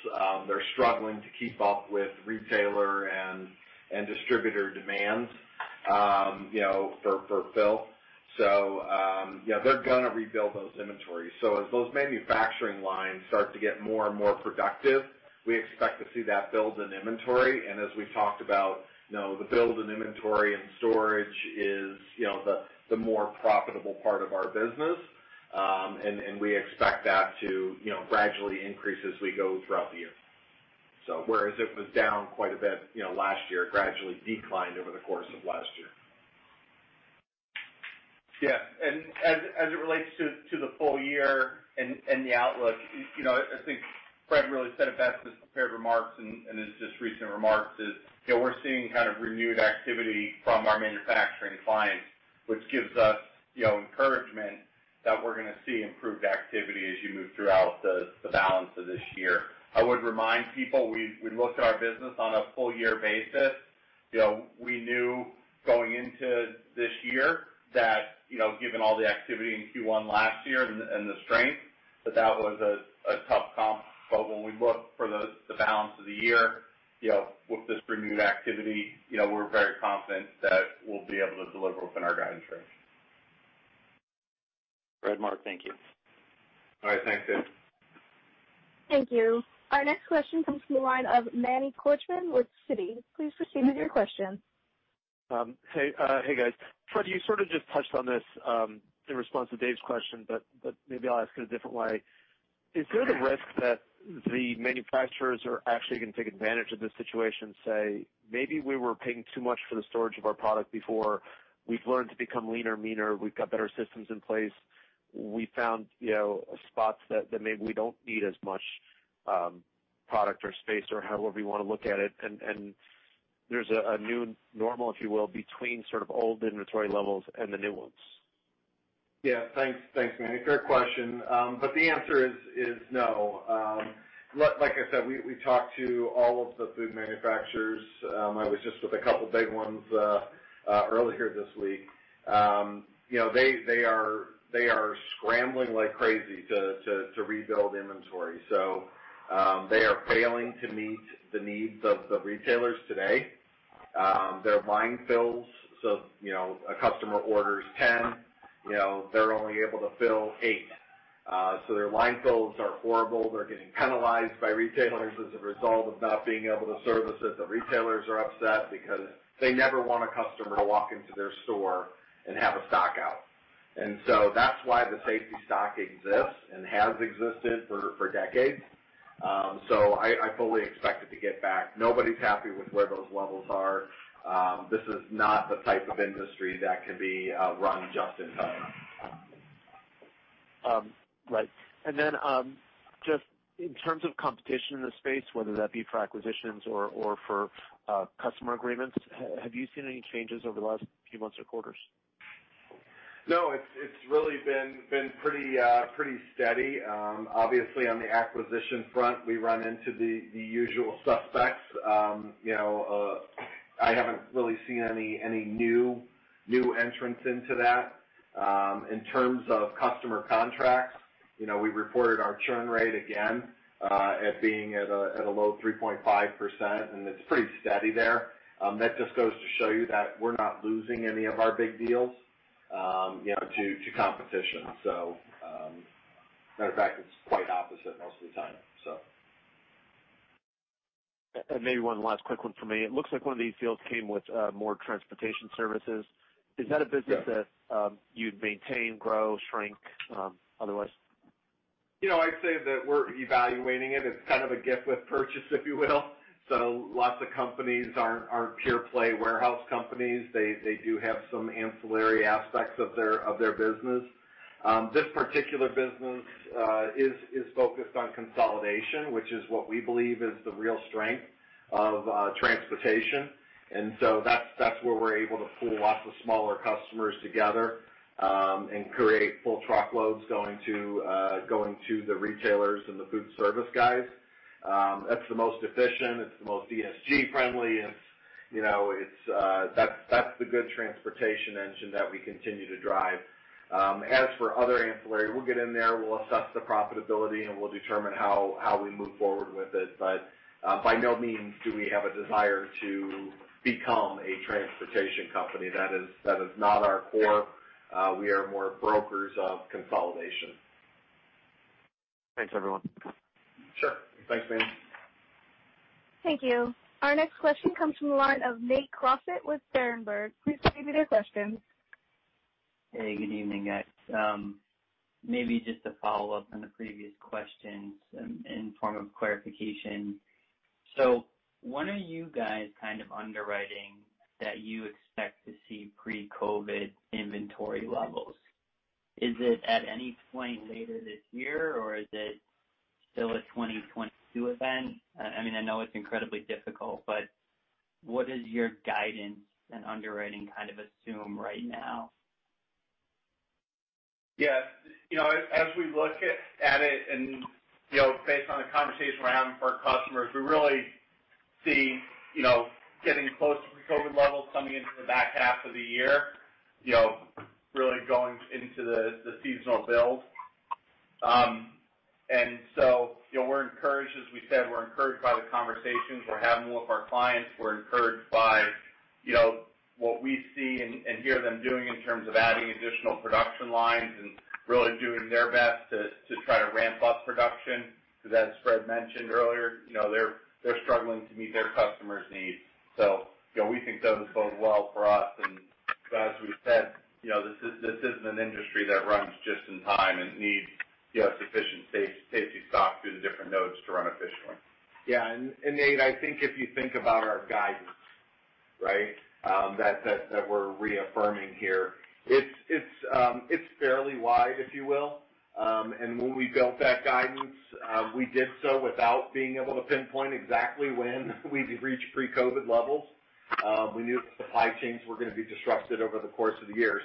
[SPEAKER 3] They're struggling to keep up with retailer, and distributor demands for fill. They're gonna rebuild those inventories. As those manufacturing lines, start to get more and more productive. We expect to see that build in inventory. As we've talked about, the build in inventory, and storage is the more profitable part of our business. We expect that to gradually increase, as we go throughout the year. Whereas it was down quite a bit last year. Gradually, declined over the course of last year.
[SPEAKER 4] Yeah. As it relates to the full year, and the outlook. I think Fred really said it best. His prepared remarks, and his just recent remarks is. We're seeing renewed activity from our manufacturing clients. Which gives us encouragement, that we're gonna see improved activity. As you move throughout the balance of this year. I would remind people, we look at our business on a full year basis. We knew going into this year, that given all the activity in Q1 last year. And the strength, that that was a tough comp. When we look for the balance of the year, with this renewed activity. We're very confident that we'll be able to deliver, within our guidance range.
[SPEAKER 5] Fred, Marc, thank you.
[SPEAKER 3] All right, thanks, Dave.
[SPEAKER 1] Thank you. Our next question comes from the line of Manny Korchman with Citi. Please proceed with your question.
[SPEAKER 6] Hey, guys. Fred, you sort of just touched on this, in response to Dave's question. Maybe I'll ask it a different way, is there the risk? That the manufacturers are actually gonna take advantage of this situation, and say, "Maybe we were paying too much, for the storage of our product before. We've learned to become leaner, meaner. We've got better systems in place. We found spots that maybe we don't need as much product, or space or however you want to look at it." There's a new normal, if you will. Between sort of old inventory levels, and the new ones.
[SPEAKER 3] Yeah, thanks Manny. Fair question. The answer is no. Like I said, we talked to all of the food manufacturers. I was just with a couple of, big ones earlier this week. They are scrambling like crazy, to rebuild inventory. They are failing to meet, the needs of the retailers today. Their line fills, so a customer orders 10. They're only able to fill eight. Their line fills are horrible. They're getting penalized by retailers, as a result of not being able to service it. The retailers are upset, because they never want a customer. To walk into their store, and have a stock out. That's why the safety stock exists, and has existed for decades. I fully expect it to get back. Nobody's happy with where those levels are. This is not the type of industry, that can be run just in time.
[SPEAKER 6] Right. Just in terms of competition in the space, whether that be for acquisitions or for customer agreements. Have you seen any changes over the last few months or quarters?
[SPEAKER 3] No, it's really been pretty steady. Obviously, on the acquisition front. We run into the usual suspects. I haven't really seen any new entrants into that. In terms of customer contracts, we reported our churn rate again. As being at a low 3.5%, and it's pretty steady there. That just goes to show you, that we're not losing any of our big deals to competition. Matter of fact, it's quite opposite most of the time.
[SPEAKER 6] Maybe one last quick one from me. It looks like one of these deals came, with more transportation services.
[SPEAKER 3] Yeah.
[SPEAKER 6] Is that a business that you'd maintain, grow, shrink, otherwise?
[SPEAKER 3] I'd say that we're evaluating it. It's kind of a gift with purchase, if you will. Lots of companies aren't pure play warehouse companies. They do have some ancillary aspects of their business. This particular business is focused on consolidation. Which is what we believe is the real strength of transportation. That's where we're able to pool lots, of smaller customers together. And create full truckloads going to the retailers, and the food service guys. That's the most efficient, it's the most ESG friendly. That's the good transportation engine, that we continue to drive. As for other ancillary, we'll get in there. We'll assess the profitability, and we'll determine how we move forward with it? By no means do we have a desire to, become a transportation company. That is not our core. We are more brokers of consolidation.
[SPEAKER 6] Thanks, everyone.
[SPEAKER 3] Sure. Thanks, Manny.
[SPEAKER 1] Thank you. Our next question comes from the line of Nate Crossett with Berenberg. Please proceed with your question.
[SPEAKER 7] Hey, good evening, guys. Maybe just a follow-up on, the previous questions in form of clarification. When are you guys kind of underwriting, that you expect to see pre-COVID inventory levels? Is it at any point later this year? Or is it still a 2022 event? I know it's incredibly difficult. What does your guidance, and underwriting kind of assume right now?
[SPEAKER 4] Yeah. As we look at it, and based on the conversation we're having with our customers. We're really seeing getting close to pre-COVID levels. Coming into the back half of the year, really going into the seasonal build. We're encouraged, as we said. We're encouraged by the conversations, we're having with our clients. We're encouraged by what we see, and hear them doing in terms of adding additional production lines? And really doing their best, to try to ramp up production. Because as Fred mentioned earlier, they're struggling to meet their customers' needs. We think those bode well for us. As we've said, this isn't an industry that runs just in time, and needs. Sufficient safety stock through the different nodes to run efficiently.
[SPEAKER 3] Yeah. Nate, I think if you think about our guidance, right?. That we're reaffirming here, it's fairly wide, if you will. When we built that guidance? We did so without being able to pinpoint exactly, when we'd reach pre-COVID levels? We knew supply chains were going to be disrupted, over the course of the year.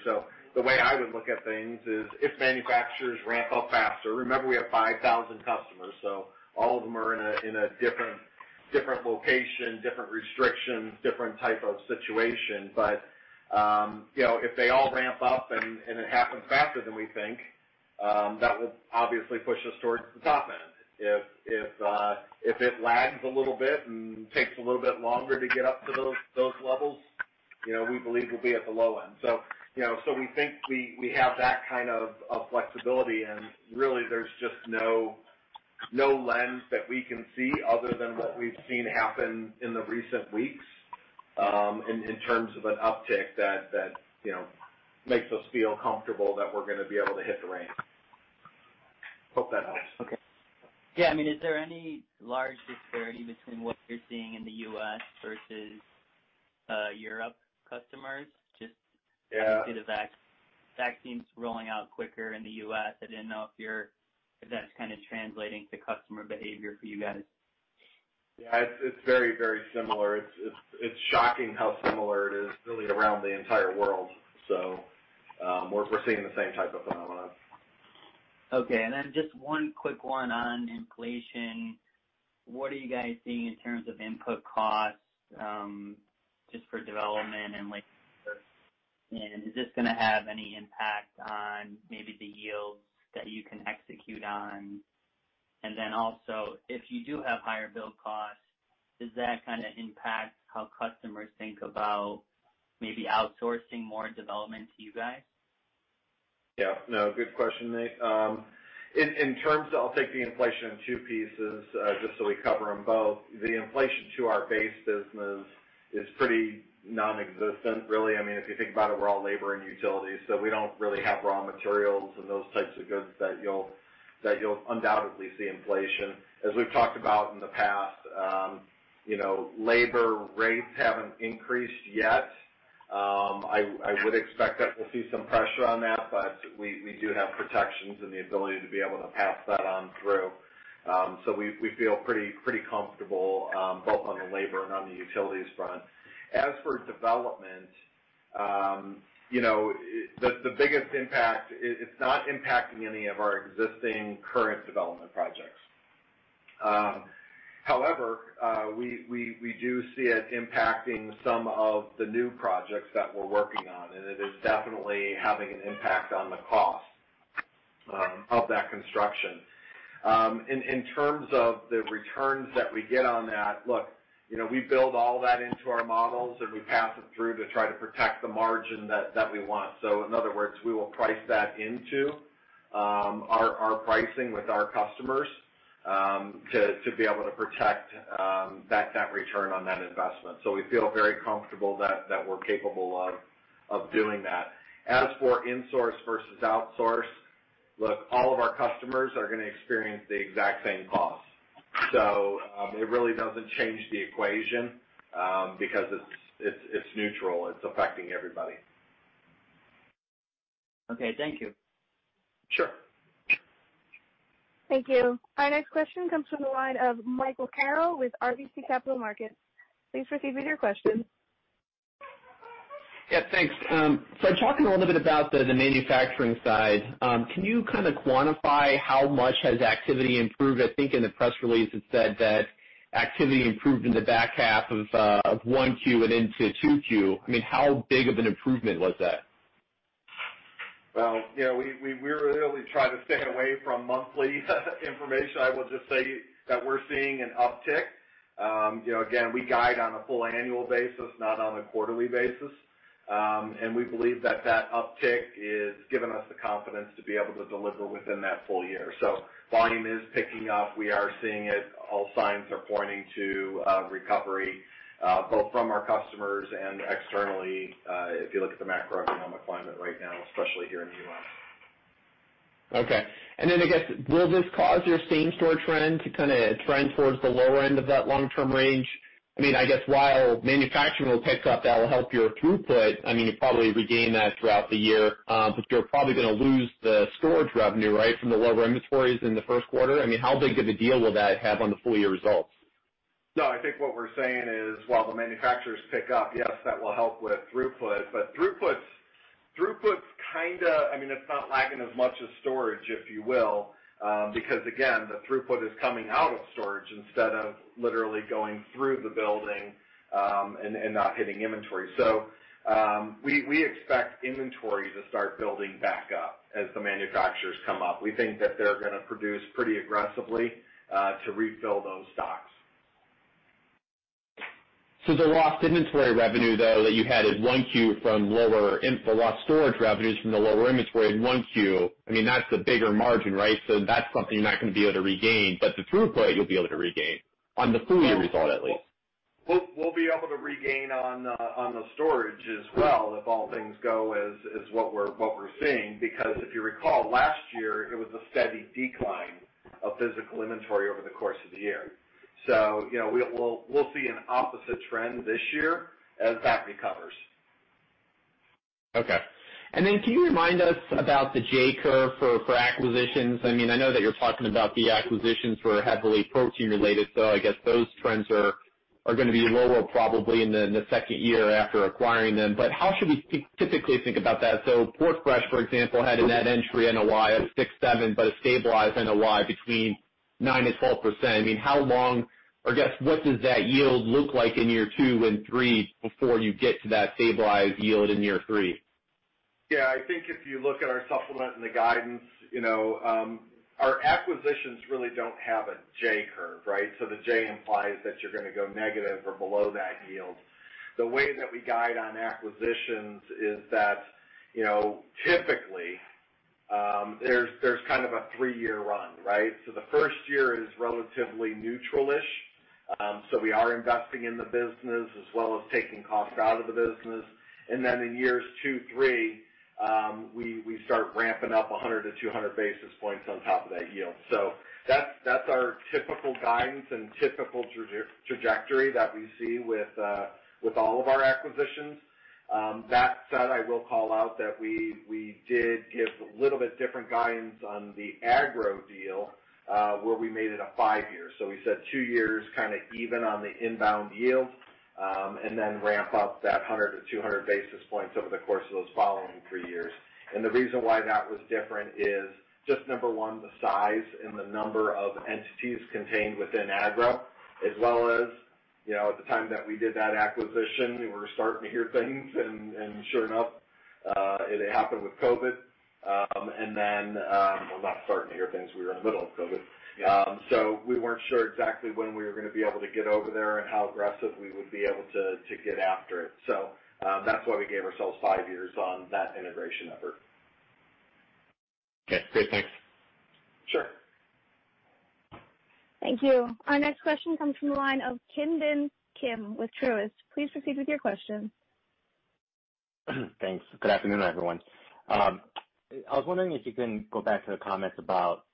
[SPEAKER 3] The way I would look at things, is if manufacturers ramp up faster. Remember, we have 5,000 customers, so all of them are in a different location. Different restrictions, different type of situation. If they all ramp up, and it happens faster than we think. That would obviously push us towards the top end. If it lags a little bit, and takes a little bit longer to get up to those levels. We believe we'll be at the low end. We think we have that kind of flexibility, and really there's just no lens. That we can see other than, what we've seen happen in the recent weeks? In terms of an uptick, that makes us feel comfortable. That we're going to be able to hit the range. Hope that helps.
[SPEAKER 7] Okay. Yeah. Is there any large disparity between, what you're seeing in the U.S. versus Europe customers?
[SPEAKER 3] Yeah.
[SPEAKER 7] The vaccine's rolling out quicker in the U.S. I didn't know, if that's kind of translating to customer behavior for you guys?
[SPEAKER 3] Yeah. It's very similar. It's shocking, how similar it is really around the entire world. We're seeing the same type of phenomenon.
[SPEAKER 7] Okay. Just one quick one on inflation. What are you guys seeing in terms of input costs, just for development and like? Is this going to have any impact on, maybe the yields that you can execute on? If you do have higher build costs? Does that kind of impact how customers think about, maybe outsourcing more development to you guys?
[SPEAKER 3] Yeah, No, good question, Nate. I'll take the inflation in two pieces, just so we cover them both. The inflation to our base business is pretty non-existent, really. If you think about it, we're all labor and utility. So we don't really have raw materials, and those types of goods. That you'll undoubtedly see inflation. As we've talked about in the past, labor rates haven't increased yet. I would expect that, we'll see some pressure on that. But we do have protections, and the ability. To be able to pass that on through. We feel pretty comfortable, both on the labor, and on the utilities front. As for development, the biggest impact. It's not impacting any of our existing current development projects. However, we do see it impacting some of the new projects, that we're working on. And it is definitely, having an impact on the cost of that construction. In terms of the returns, that we get on that, look. We build all that into our models, and we pass it through. To try to protect the margin, that we want. In other words, we will price that into our pricing. With our customers, to be able to protect that return on that investment. We feel very comfortable, that we're capable of doing that. As for insource versus outsource, look, all of our customers. Are going to experience the exact same cost. It really doesn't change the equation, because it's neutral. It's affecting everybody.
[SPEAKER 7] Okay. Thank you.
[SPEAKER 3] Sure.
[SPEAKER 1] Thank you. Our next question comes from the line of Michael Carroll, with RBC Capital Markets. Please proceed with your question.
[SPEAKER 8] Yeah, thanks. Talking a little bit about the manufacturing side. Can you kind of quantify, how much has activity improved? I think in the press release it said that activity improved in the back half of 1Q, and into 2Q. How big of an improvement was that?
[SPEAKER 3] Well, we really try to stay away from monthly information. I will just say that we're seeing an uptick. Again, we guide on a full annual basis, not on a quarterly basis. We believe that uptick has given us the confidence. To be able to deliver, within that full year. Volume is picking up. We are seeing it. All signs are pointing to a recovery. Both from our customers, and externally. If you look at the macroeconomic climate right now, especially here in the U.S.
[SPEAKER 8] Okay. Then, I guess, will this cause your same-store trend. To kind of trend, towards the lower end of that long-term range? I guess while manufacturing will pick up, that will help your throughput. You'll probably regain that throughout the year. But you're probably, going to lose the storage revenue, right? From the lower inventories in the first quarter. How big of a deal will that, have on the full year results?
[SPEAKER 3] I think, what we're saying is? While the manufacturers pick up, yes, that will help with throughput. Throughput's kinda, it's not lagging as much as storage, if you will. Again, the throughput is coming out of storage. Instead of literally going through the building, and not hitting inventory. We expect inventory to start building back up, as the manufacturers come up. We think that they're gonna produce pretty aggressively, to refill those stocks.
[SPEAKER 8] The lost inventory revenue, though, that you had in 1Q. From the lost storage revenues from the lower inventory in 1Q, that's the bigger margin, right? That's something you're not going to be able to regain. But the throughput you'll be able to regain, on the full year result, at least.
[SPEAKER 3] We'll be able to regain on the storage as well. If all things go as, what we're seeing? If you recall, last year, it was a steady decline. Of physical inventory over the course of the year. We'll see an opposite trend this year, as that recovers.
[SPEAKER 8] Okay. Can you remind us, about the J-curve for acquisitions? I know that you're talking, about the acquisitions. Were heavily protein related, so I guess those trends. Are going to be lower probably, in the second year after acquiring them. How should we typically think about that? PortFresh, for example, had a net entry NOI of 6%-7%. But a stabilized NOI between 9%-12%. How long, or I guess, what does that yield look like in year two and three? Before you get to that stabilized yield in year three.
[SPEAKER 3] Yeah, I think if you look at our supplement, and the guidance. Our acquisitions really don't have a J-curve, right? The J implies, that you're gonna go negative or below that yield. The way that we guide on acquisitions is that. Typically, there's kind of a three-year run, right? The first year is relatively neutral-ish. We are investing in the business, as well as taking cost out of the business. In years two, three, we start ramping up 100 basis points-200 basis points on top of that yield. That's our typical guidance, and typical trajectory. That we see with all of our acquisitions. That said, I will call out that we did give. A little bit different guidance on the Agro deal. Where we made it a five-year. We said two years, kind of even on the inbound yield. And then ramp up that 100 basis points-200 basis points, over the course of those following three years. The reason why that was different is just. Number one, the size and the number of entities contained within Agro. As well as, at the time that we did that acquisition. We were starting to hear things, and sure enough, it happened with COVID. Well, not starting to hear things, we were in the middle of COVID.
[SPEAKER 8] Yeah.
[SPEAKER 3] We weren't sure exactly, when we were going to be able to get over there. And how aggressive, we would be able to get after it. That's why we gave ourselves five years, on that integration effort.
[SPEAKER 8] Okay, great. Thanks.
[SPEAKER 3] Sure.
[SPEAKER 1] Thank you. Our next question comes, from the line of Ki Bin Kim with Truist. Please proceed with your question.
[SPEAKER 9] Thanks. Good afternoon, everyone. I was wondering, if you can go back to the comments. About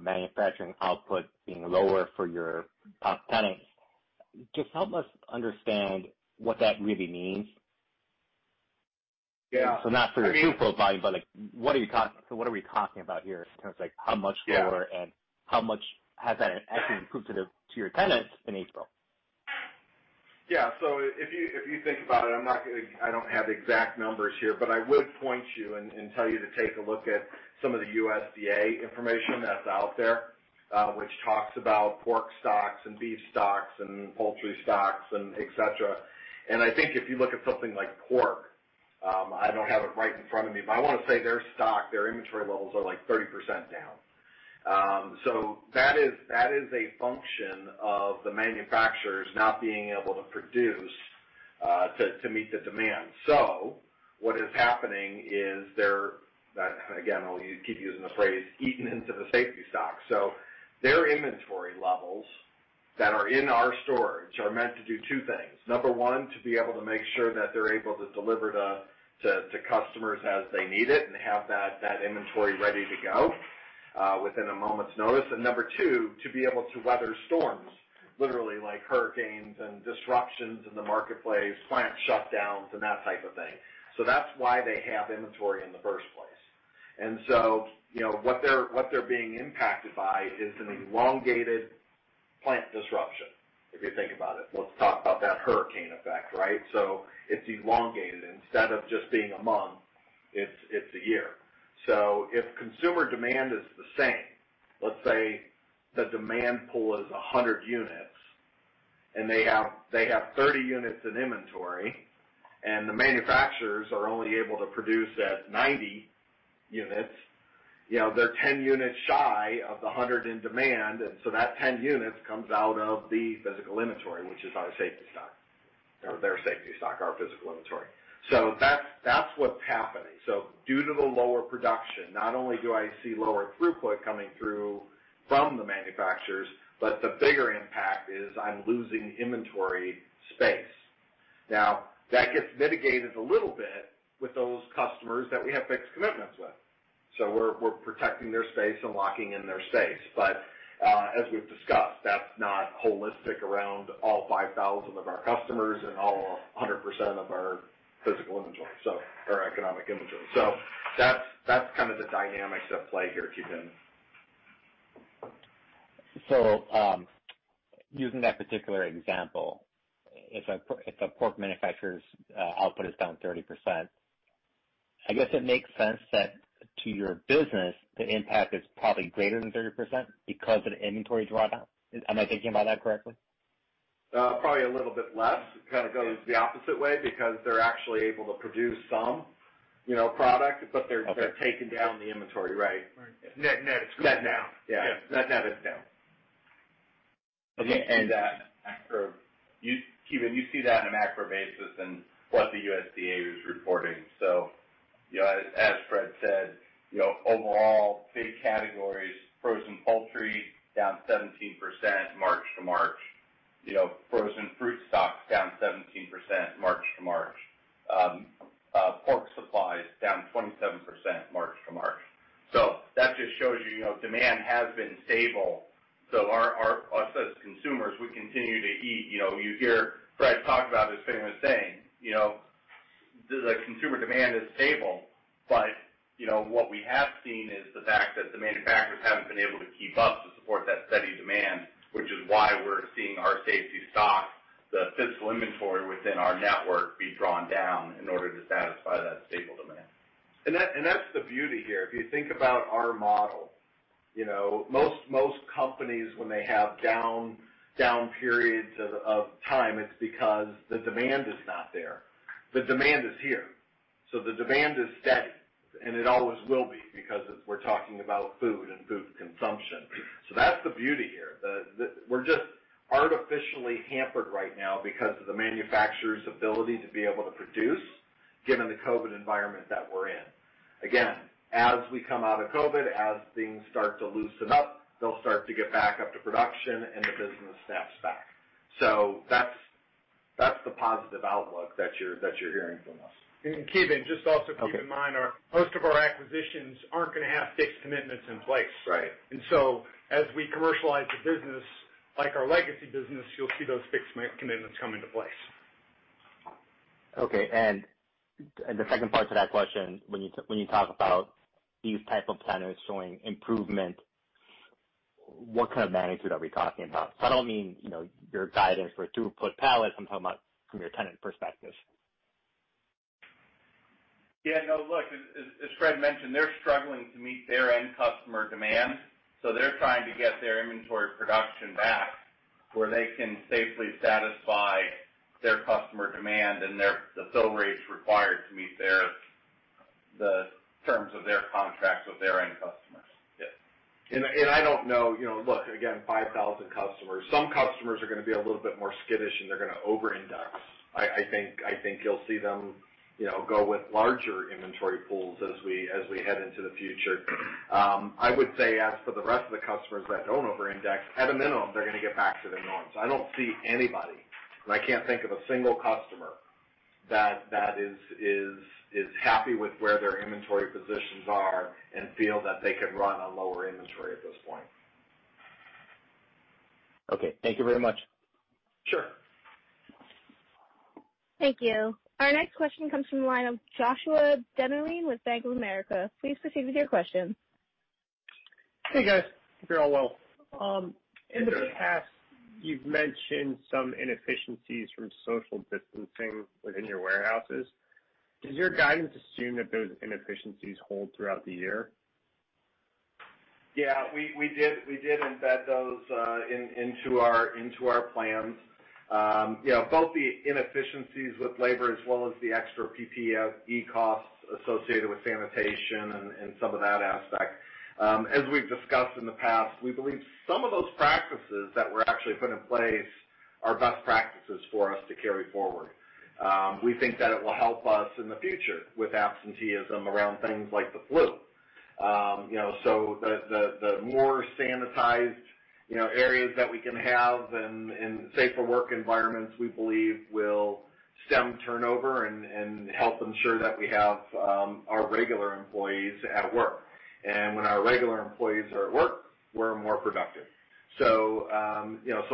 [SPEAKER 9] manufacturing output, being lower for your top tenants. Just help us understand, what that really means?
[SPEAKER 3] Yeah.
[SPEAKER 9] Not for the throughput volume, but what are we talking about here? In terms of how much lower? And how much has that actually impacted, to your tenants in April?
[SPEAKER 3] If you think about it, I don't have exact numbers here. But I would point you, and tell you. To take a look at, some of the USDA information that's out there? Which talks about pork stocks, and beef stocks, and poultry stocks, et cetera. I think, if you look at something like pork. I don't have it right in front of me, but I want to say their stock. Their inventory levels are like 30% down. That is a function of the manufacturers not being able to produce, to meet the demand. What is happening is they're? Again, I'll keep using the phrase, eating into the safety stock. Their inventory levels that are in our storage, are meant to do two things. Number one, to be able to make sure, that they're able to deliver. To customers as they need it, and have that inventory ready to go. Within a moment's notice. Number two, to be able to weather storms. Literally like hurricanes, and disruptions in the marketplace. Plant shutdowns, and that type of thing. That's why they have inventory in the first place. What they're being impacted by, is an elongated plant disruption, if you think about it. Let's talk about that hurricane effect, right? It's elongated. Instead of just being a month, it's a year. If consumer demand is the same, let's say the demand pool is 100 units. And they have 30 units in inventory. And the manufacturers, are only able to produce at 90 units. They're 10 units shy, of the 100 in demand. That 10 units comes out of the physical inventory. Which is our safety stock, or their safety stock, our physical inventory. That's what's happening. Due to the lower production, not only do I see lower. Throughput coming through from the manufacturers, but the bigger impact is I'm losing inventory space. Now, that gets mitigated a little bit. With those customers, that we have fixed commitments with. We're protecting their space, and locking in their space. As we've discussed, that's not holistic around all 5,000 of our customers. And all 100% of our physical inventory, or economic occupancy. That's kind of the dynamics at play here, Ki Bin.
[SPEAKER 9] Using that particular example, if a pork manufacturer's output is down 30%. I guess it makes sense that to your business, the impact is probably greater than 30%. Because of the inventory drawdown. Am I thinking about that correctly?
[SPEAKER 3] Probably a little bit less. Kind of goes the opposite way, because they're actually able to produce some product. But they're taking down the inventory. Right.
[SPEAKER 4] Right. Net, it's going down.
[SPEAKER 3] Net down. Yeah.
[SPEAKER 4] Yes.
[SPEAKER 3] Net is down.
[SPEAKER 9] Okay.
[SPEAKER 4] After you Ki Bin, you see that on a macro basis. And what the USDA is reporting? As Fred said, overall big categories. Frozen poultry down 17% March to March. Frozen fruit stocks down 17% March to March. Pork supplies down 27% March to March. That just shows you, demand has been stable. Us as consumers, we continue to eat. You hear Fred, talk about this famous saying. The consumer demand is stable, but what we have seen. Is the fact that the manufacturers, haven't been able to keep up. To support that steady demand, which is why we're seeing our safety stock? The physical inventory within our network. Be drawn down in order to satisfy, that stable demand.
[SPEAKER 3] That's the beauty here. If you think about our model. Most companies when they have down periods of time, it's because the demand is not there. The demand is here. The demand is steady, and it always will be. Because we're talking about food, and food consumption. That's the beauty here. We're just artificially hampered right now. Because of the manufacturer's ability, to be able to produce. Given the COVID environment that we're in. Again, as we come out of COVID, as things start to loosen up. They'll start to get back up to production, and the business snaps back. That's the positive outlook, that you're hearing from us.
[SPEAKER 4] Ki Bin, just also keep in mind. Most of our acquisitions, aren't going to have fixed commitments in place.
[SPEAKER 3] Right.
[SPEAKER 4] As we commercialize the business, like our legacy business. You'll see those fixed commitments come into place.
[SPEAKER 9] Okay. The second part to that question. When you talk about, these type of tenants showing improvement? What kind of magnitude are we talking about? I don't mean your guidance for throughput pallets. I'm talking about from your tenant perspective.
[SPEAKER 4] Yeah, no, look, as Fred mentioned, they're struggling to meet their end customer demand. They're trying to get their inventory production back. Where they can safely satisfy, their customer demand? And the fill rates required to meet, the terms of their contracts with their end customers.
[SPEAKER 3] Yes. I don't know. Look, again, 5,000 customers. Some customers are going to be a little bit more skittish, and they're going to over-index. I think you'll see them, go with larger inventory pools. As we head into the future. I would say as for the rest of the customers, that don't over-index. At a minimum, they're going to get back to their norms. I don't see anybody, and I can't think of a single customer. That is happy with where their inventory positions are? And feel that they can run on lower inventory at this point.
[SPEAKER 9] Okay. Thank you very much.
[SPEAKER 3] Sure.
[SPEAKER 1] Thank you. Our next question comes from the line of Joshua Dennerlein, with Bank of America. Please proceed with your question.
[SPEAKER 10] Hey, guys. Hope you're all well.
[SPEAKER 3] Good.
[SPEAKER 10] In the past, you've mentioned some inefficiencies, from social distancing within your warehouses.
[SPEAKER 3] Yeah.
[SPEAKER 10] Does your guidance assume, that those inefficiencies hold throughout the year?
[SPEAKER 3] Yeah. We did embed those into our plans. Both the inefficiencies, with labor as well as the extra PPE costs. Associated with sanitation, and some of that aspect. As we've discussed in the past, we believe some of those practices. That were actually put in place, are best practices for us to carry forward. We think that it will help us in the future. With absenteeism around things like the flu. The more sanitized areas that we can have, and safer work environments. We believe will stem turnover, and help ensure. That we have our regular employees at work. When our regular employees are at work, we're more productive.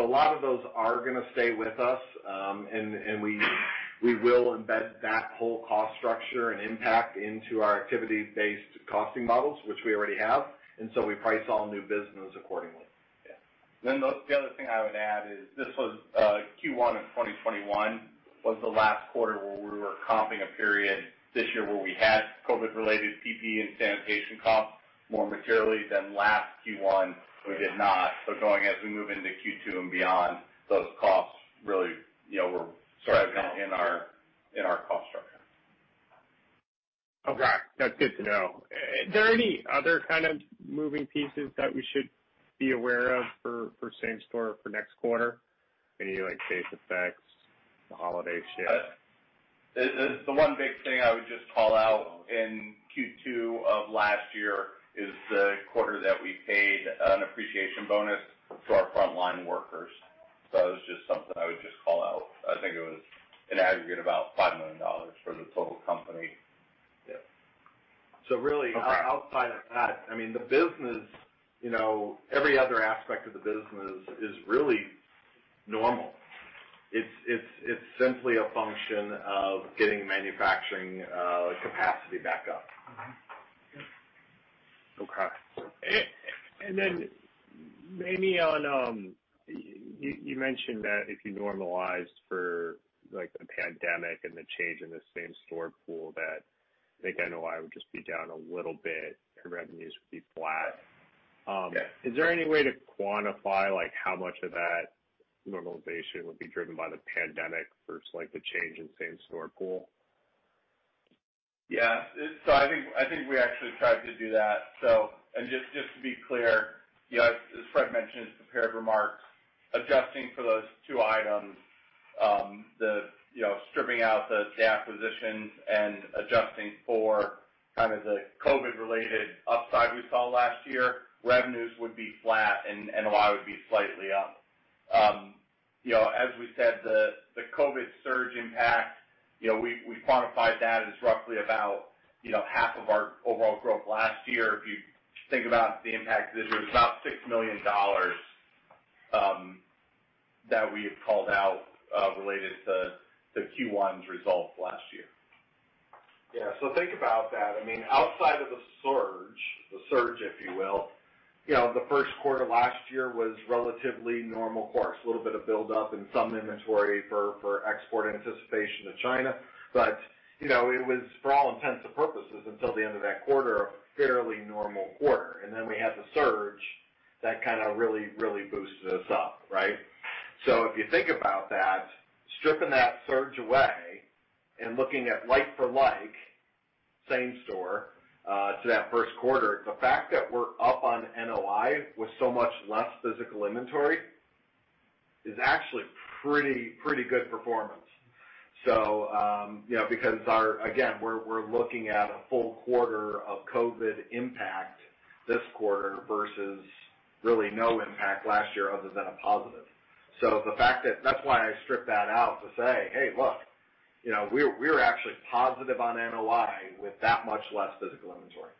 [SPEAKER 3] A lot of those are going to stay with us, and we will embed. That whole cost structure, and impact into our activity-based costing models. Which we already have, and so we price all new business accordingly.
[SPEAKER 4] Yeah. The other thing I would add, is this was Q1 of 2021. Was the last quarter, where we were comping a period this year? Where we had COVID-related PPE, and sanitation costs. More materially, than last Q1 we did not. Going as we move into Q2, and beyond. Those costs really, were spread in our cost structure.
[SPEAKER 10] Okay. That's good to know. Are there any other kind of moving pieces, that we should be aware of for same-store for next quarter? Any like base effects? The holiday shift.
[SPEAKER 4] The one big thing I would just call out. In Q2 of last year, is the quarter that we paid. An appreciation bonus to our frontline workers. That was just something, I would just call out. I think it was in aggregate, about $5 million for the total company.
[SPEAKER 3] Yeah.
[SPEAKER 10] Okay.
[SPEAKER 3] Outside of that, the business, every other aspect of the business is really normal. It's simply a function, of getting manufacturing capacity back up.
[SPEAKER 10] Okay. Maybe on, you mentioned that if you normalized. For the pandemic, and the change in the same-store pool. That I think NOI would just be down a little bit, and revenues would be flat.
[SPEAKER 3] Yeah.
[SPEAKER 10] Is there any way to quantify? How much of that normalization would be driven, by the pandemic versus the change in same-store pool?
[SPEAKER 4] I think, we actually tried to do that. Just to be clear, as Fred mentioned in his prepared remarks. Adjusting for those two items, stripping out the acquisitions. And adjusting for kind of the COVID related, upside we saw last year. Revenues would be flat, and NOI would be slightly up. We said, the COVID surge impact, we quantified that. As roughly, about half of our overall growth last year. If you think about the impact this year, it's about $6 million. That we have called out related, to Q1's results last year.
[SPEAKER 3] Yeah. Think about that. Outside of the surge, if you will. The first quarter last year, was relatively normal course. A little bit of buildup in some inventory, for export in anticipation to China. It was, for all intents and purposes. Until the end of that quarter, a fairly normal quarter. We had the surge, that kind of really boosted us up, right? If you think about that, stripping that surge away. And looking at like for like same-store, to that first quarter. The fact that we're up on NOI, with so much less physical inventory, is actually pretty good performance. Again, we're looking at a full quarter of COVID impact. This quarter versus really no impact last year other than a positive. That's why I stripped that out to say, "Hey, look, we're actually positive on NOI, with that much less physical inventory."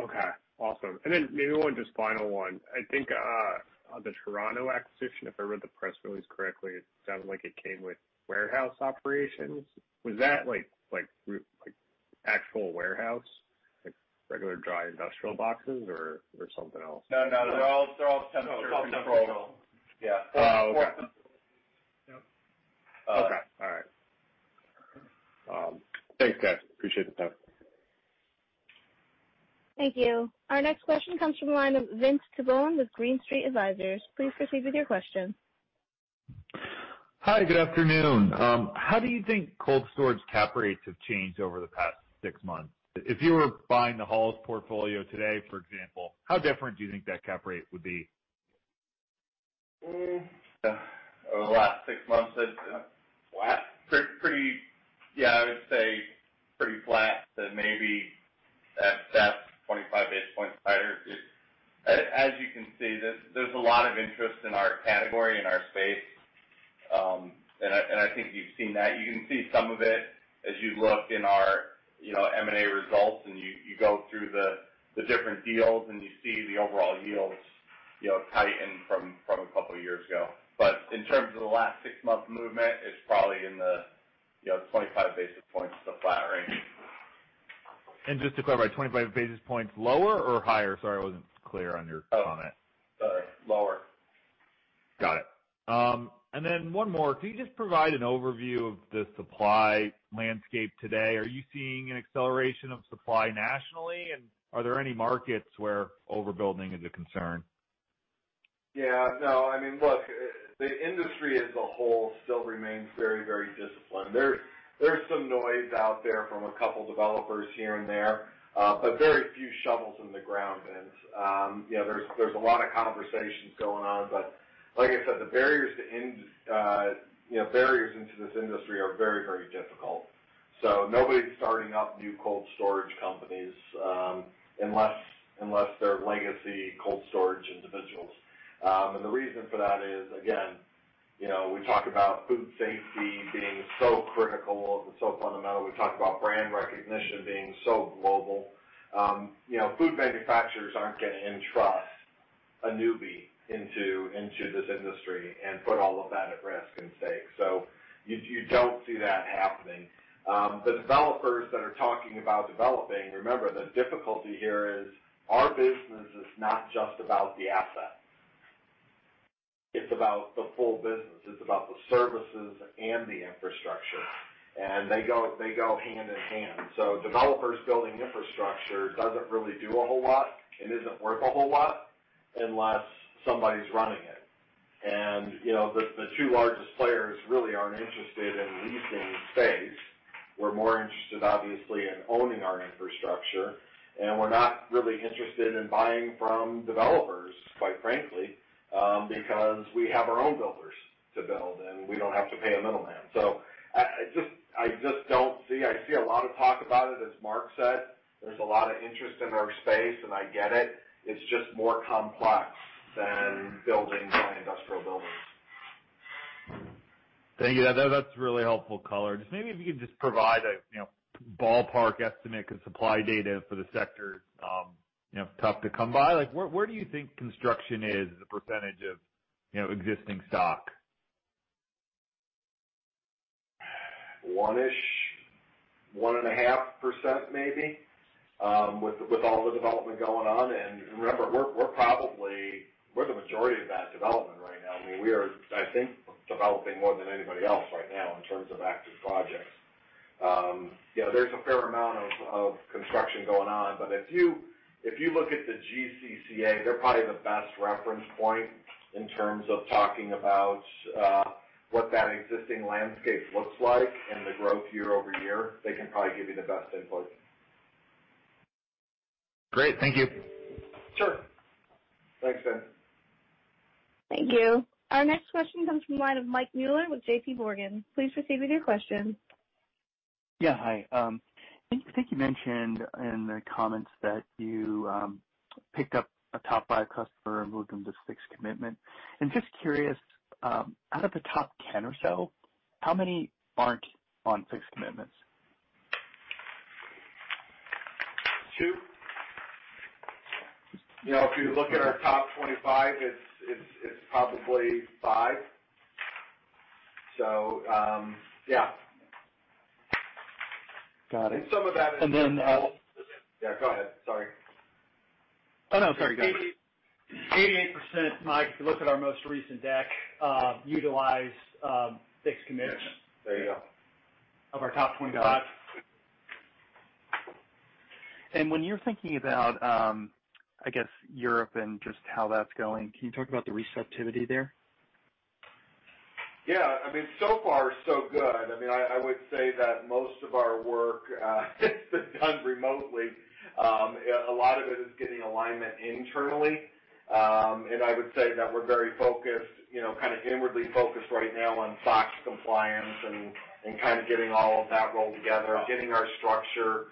[SPEAKER 10] Okay. Awesome. Maybe one just final one. I think, the Toronto acquisition, if I read the press release correctly. It sounded like, it came with warehouse operations. Was that like actual warehouse, like regular dry industrial boxes or something else?
[SPEAKER 4] No, they're all temperature-controlled.
[SPEAKER 3] They're all temperature-controlled.
[SPEAKER 4] Yeah.
[SPEAKER 10] Oh, okay.
[SPEAKER 3] Yep.
[SPEAKER 10] Okay. All right. Thanks, guys. Appreciate the time.
[SPEAKER 1] Thank you. Our next question comes from the line of Vince Tibone, with Green Street Advisors. Please proceed with your question.
[SPEAKER 11] Hi, good afternoon. How do you think cold storage cap rates, have changed over the past six months? If you were buying the Hall's portfolio today, for example. How different do you think that cap rate would be?
[SPEAKER 4] Over the last six months,
[SPEAKER 3] Last?
[SPEAKER 4] Yeah, I would say. Maybe that's that 25 basis points higher. As you can see, there's a lot of interest in our category. In our space, and I think you've seen that. You can see some of it, as you look in our M&A results. And you go through the different deals, and you see the overall yields. Tighten from a couple of years ago. In terms of the last six-month movement, it's probably in the 25 basis points to flat range.
[SPEAKER 11] Just to clarify, 25 basis points lower or higher? Sorry, I wasn't clear on your comment.
[SPEAKER 4] Oh, sorry. Lower.
[SPEAKER 11] Got it. One more. Can you just provide an overview of the supply landscape today? Are you seeing an acceleration of supply nationally? Are there any markets, where overbuilding is a concern?
[SPEAKER 3] Yeah, no. Look, the industry as a whole, still remains very disciplined. There's some noise out there, from a couple of developers here and there. But very few shovels in the ground. There's a lot of conversations going on, but like I said. The barriers into this industry, are very difficult. Nobody's starting up new cold storage companies. Unless they're legacy cold storage individuals. The reason for that is, again, we talk about food safety being so critical, and so fundamental. We talk about brand recognition being so global. Food manufacturers aren't going to entrust, a newbie into this industry. And put all of that at risk, and stake. You don't see that happening. The developers that are talking about developing. Remember, the difficulty here is our business is not just about the asset. It's about the full business. It's about the services, and the infrastructure. They go hand in hand. Developers building infrastructure, doesn't really do a whole lot. And isn't worth a whole lot, unless somebody's running it. The two largest players really aren't interested in leasing space. We're more interested, obviously, in owning our infrastructure. And we're not really interested in buying from developers, quite frankly. Because we have our own builders to build, and we don't have to pay a middleman. I see a lot of talk about it. As Marc said, there's a lot of interest in our space, and I get it. It's just more complex, than building industrial buildings.
[SPEAKER 11] Thank you. That's really helpful color. Just maybe if you could just provide, a ballpark estimate. Because supply data for the sector, is tough to come by. Where do you think construction, is as a percentage of existing stock?
[SPEAKER 3] 1%-1.5% maybe, with all the development going on. Remember, we're the majority of that development right now. We are, I think, developing more than anybody else right now, in terms of active projects. There's a fair amount of construction going on. If you look at the GCCA, they're probably the best reference point. In terms of talking about, what that existing landscape looks like, and the growth year-over-year. They can probably give you the best input.
[SPEAKER 11] Great. Thank you.
[SPEAKER 3] Sure. Thanks, Vince.
[SPEAKER 1] Thank you. Our next question comes, from the line of Mike Mueller with JPMorgan. Please proceed with your question.
[SPEAKER 12] Yeah, hi. I think you mentioned in the comments. That you picked up a top five customer, and moved them to fixed commitment. I'm just curious, out of the top 10 or so. How many aren't on fixed commitments?
[SPEAKER 3] Two. If you look at our top 25, it's probably five. Yeah.
[SPEAKER 12] Got it.
[SPEAKER 3] And some of that is.
[SPEAKER 12] And then.
[SPEAKER 3] Yeah, go ahead. Sorry.
[SPEAKER 12] Oh, no. Sorry, go ahead.
[SPEAKER 4] 88%, Mike, if you look at our most recent deck, utilize fixed commitments.
[SPEAKER 3] There you go.
[SPEAKER 4] Of our top 25.
[SPEAKER 12] When you're thinking about Europe, and just how that's going? Can you talk about the receptivity there?
[SPEAKER 3] Yeah. So far so good. I would say that most of our work, has been done remotely. A lot of it is getting alignment internally. I would say, that we're very inwardly focused right now on SOX compliance. And getting all of that rolled together, getting our structure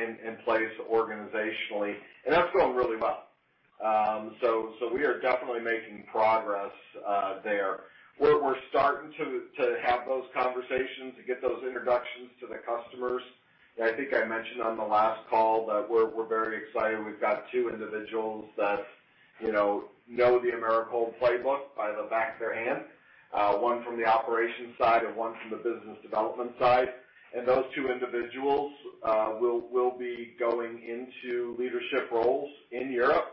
[SPEAKER 3] in place organizationally. That's going really well. We are definitely making progress there. We're starting to have those conversations. To get those introductions to the customers. I think I mentioned on the last call, that we're very excited. We've got two individuals, that know the Americold playbook, by the back of their hand. One from the operations side, and one from the business development side. Those two individuals, will be going into leadership roles in Europe,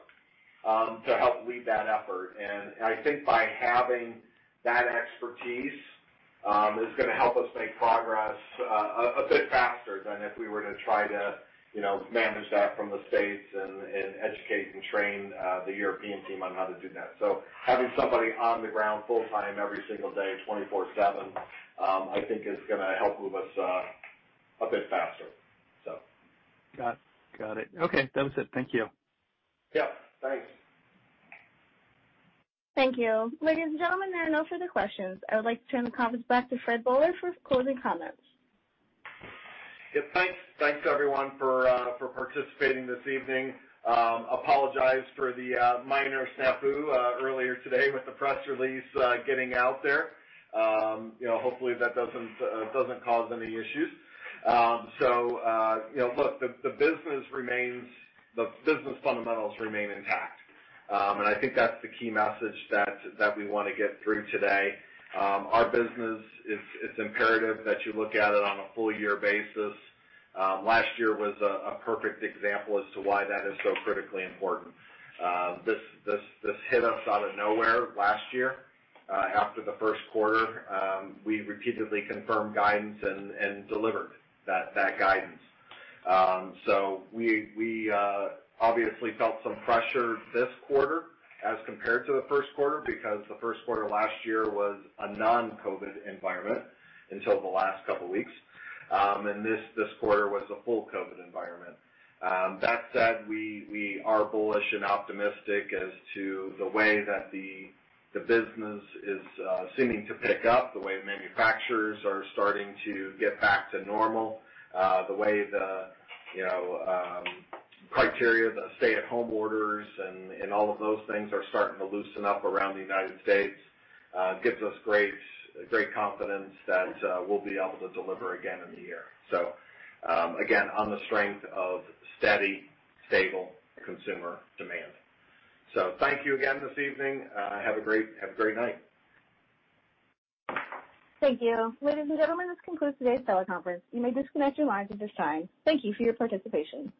[SPEAKER 3] to help lead that effort. I think by having, that expertise is going to help us make progress. A bit faster, than if we were to try to manage that from the States. And educate, and train the European team on how to do that. Having somebody on the ground full time, every single day, 24/7. I think, is going to help move us a bit faster.
[SPEAKER 12] Got it. Okay, that was it. Thank you.
[SPEAKER 3] Yep, thanks.
[SPEAKER 1] Thank you. Ladies and gentlemen, there are no further questions. I would like to turn the conference back, to Fred Boehler for closing comments.
[SPEAKER 3] Yes, thanks, everyone, for participating this evening. Apologize for the minor snafu earlier today, with the press release getting out there. Hopefully, that doesn't cause any issues. Look, the business fundamentals remain intact. And I think that's the key message, that we want to get through today. Our business, it's imperative that you look at it on a full year basis. Last year was a perfect example, as to why that is so critically important. This hit us out of nowhere last year. After the first quarter, we repeatedly confirmed guidance. And delivered that guidance. We obviously, felt some pressure this quarter. As compared to the first quarter, because the first quarter last year. Was a non-COVID environment, until the last couple of weeks. And this quarter, was a full COVID environment. We are bullish, and optimistic as to the way that the business is seeming to pick up. The way manufacturers, are starting to get back to normal. The way the criteria, the stay-at-home orders. And all of those things, are starting to loosen up around the United States. Gives us great confidence, that we'll be able to deliver again in the year. Again, on the strength of steady, stable consumer demand. Thank you again this evening. Have a great night.
[SPEAKER 1] Thank you. Ladies and gentlemen, this concludes today's teleconference. You may disconnect your lines at this time. Thank you for your participation.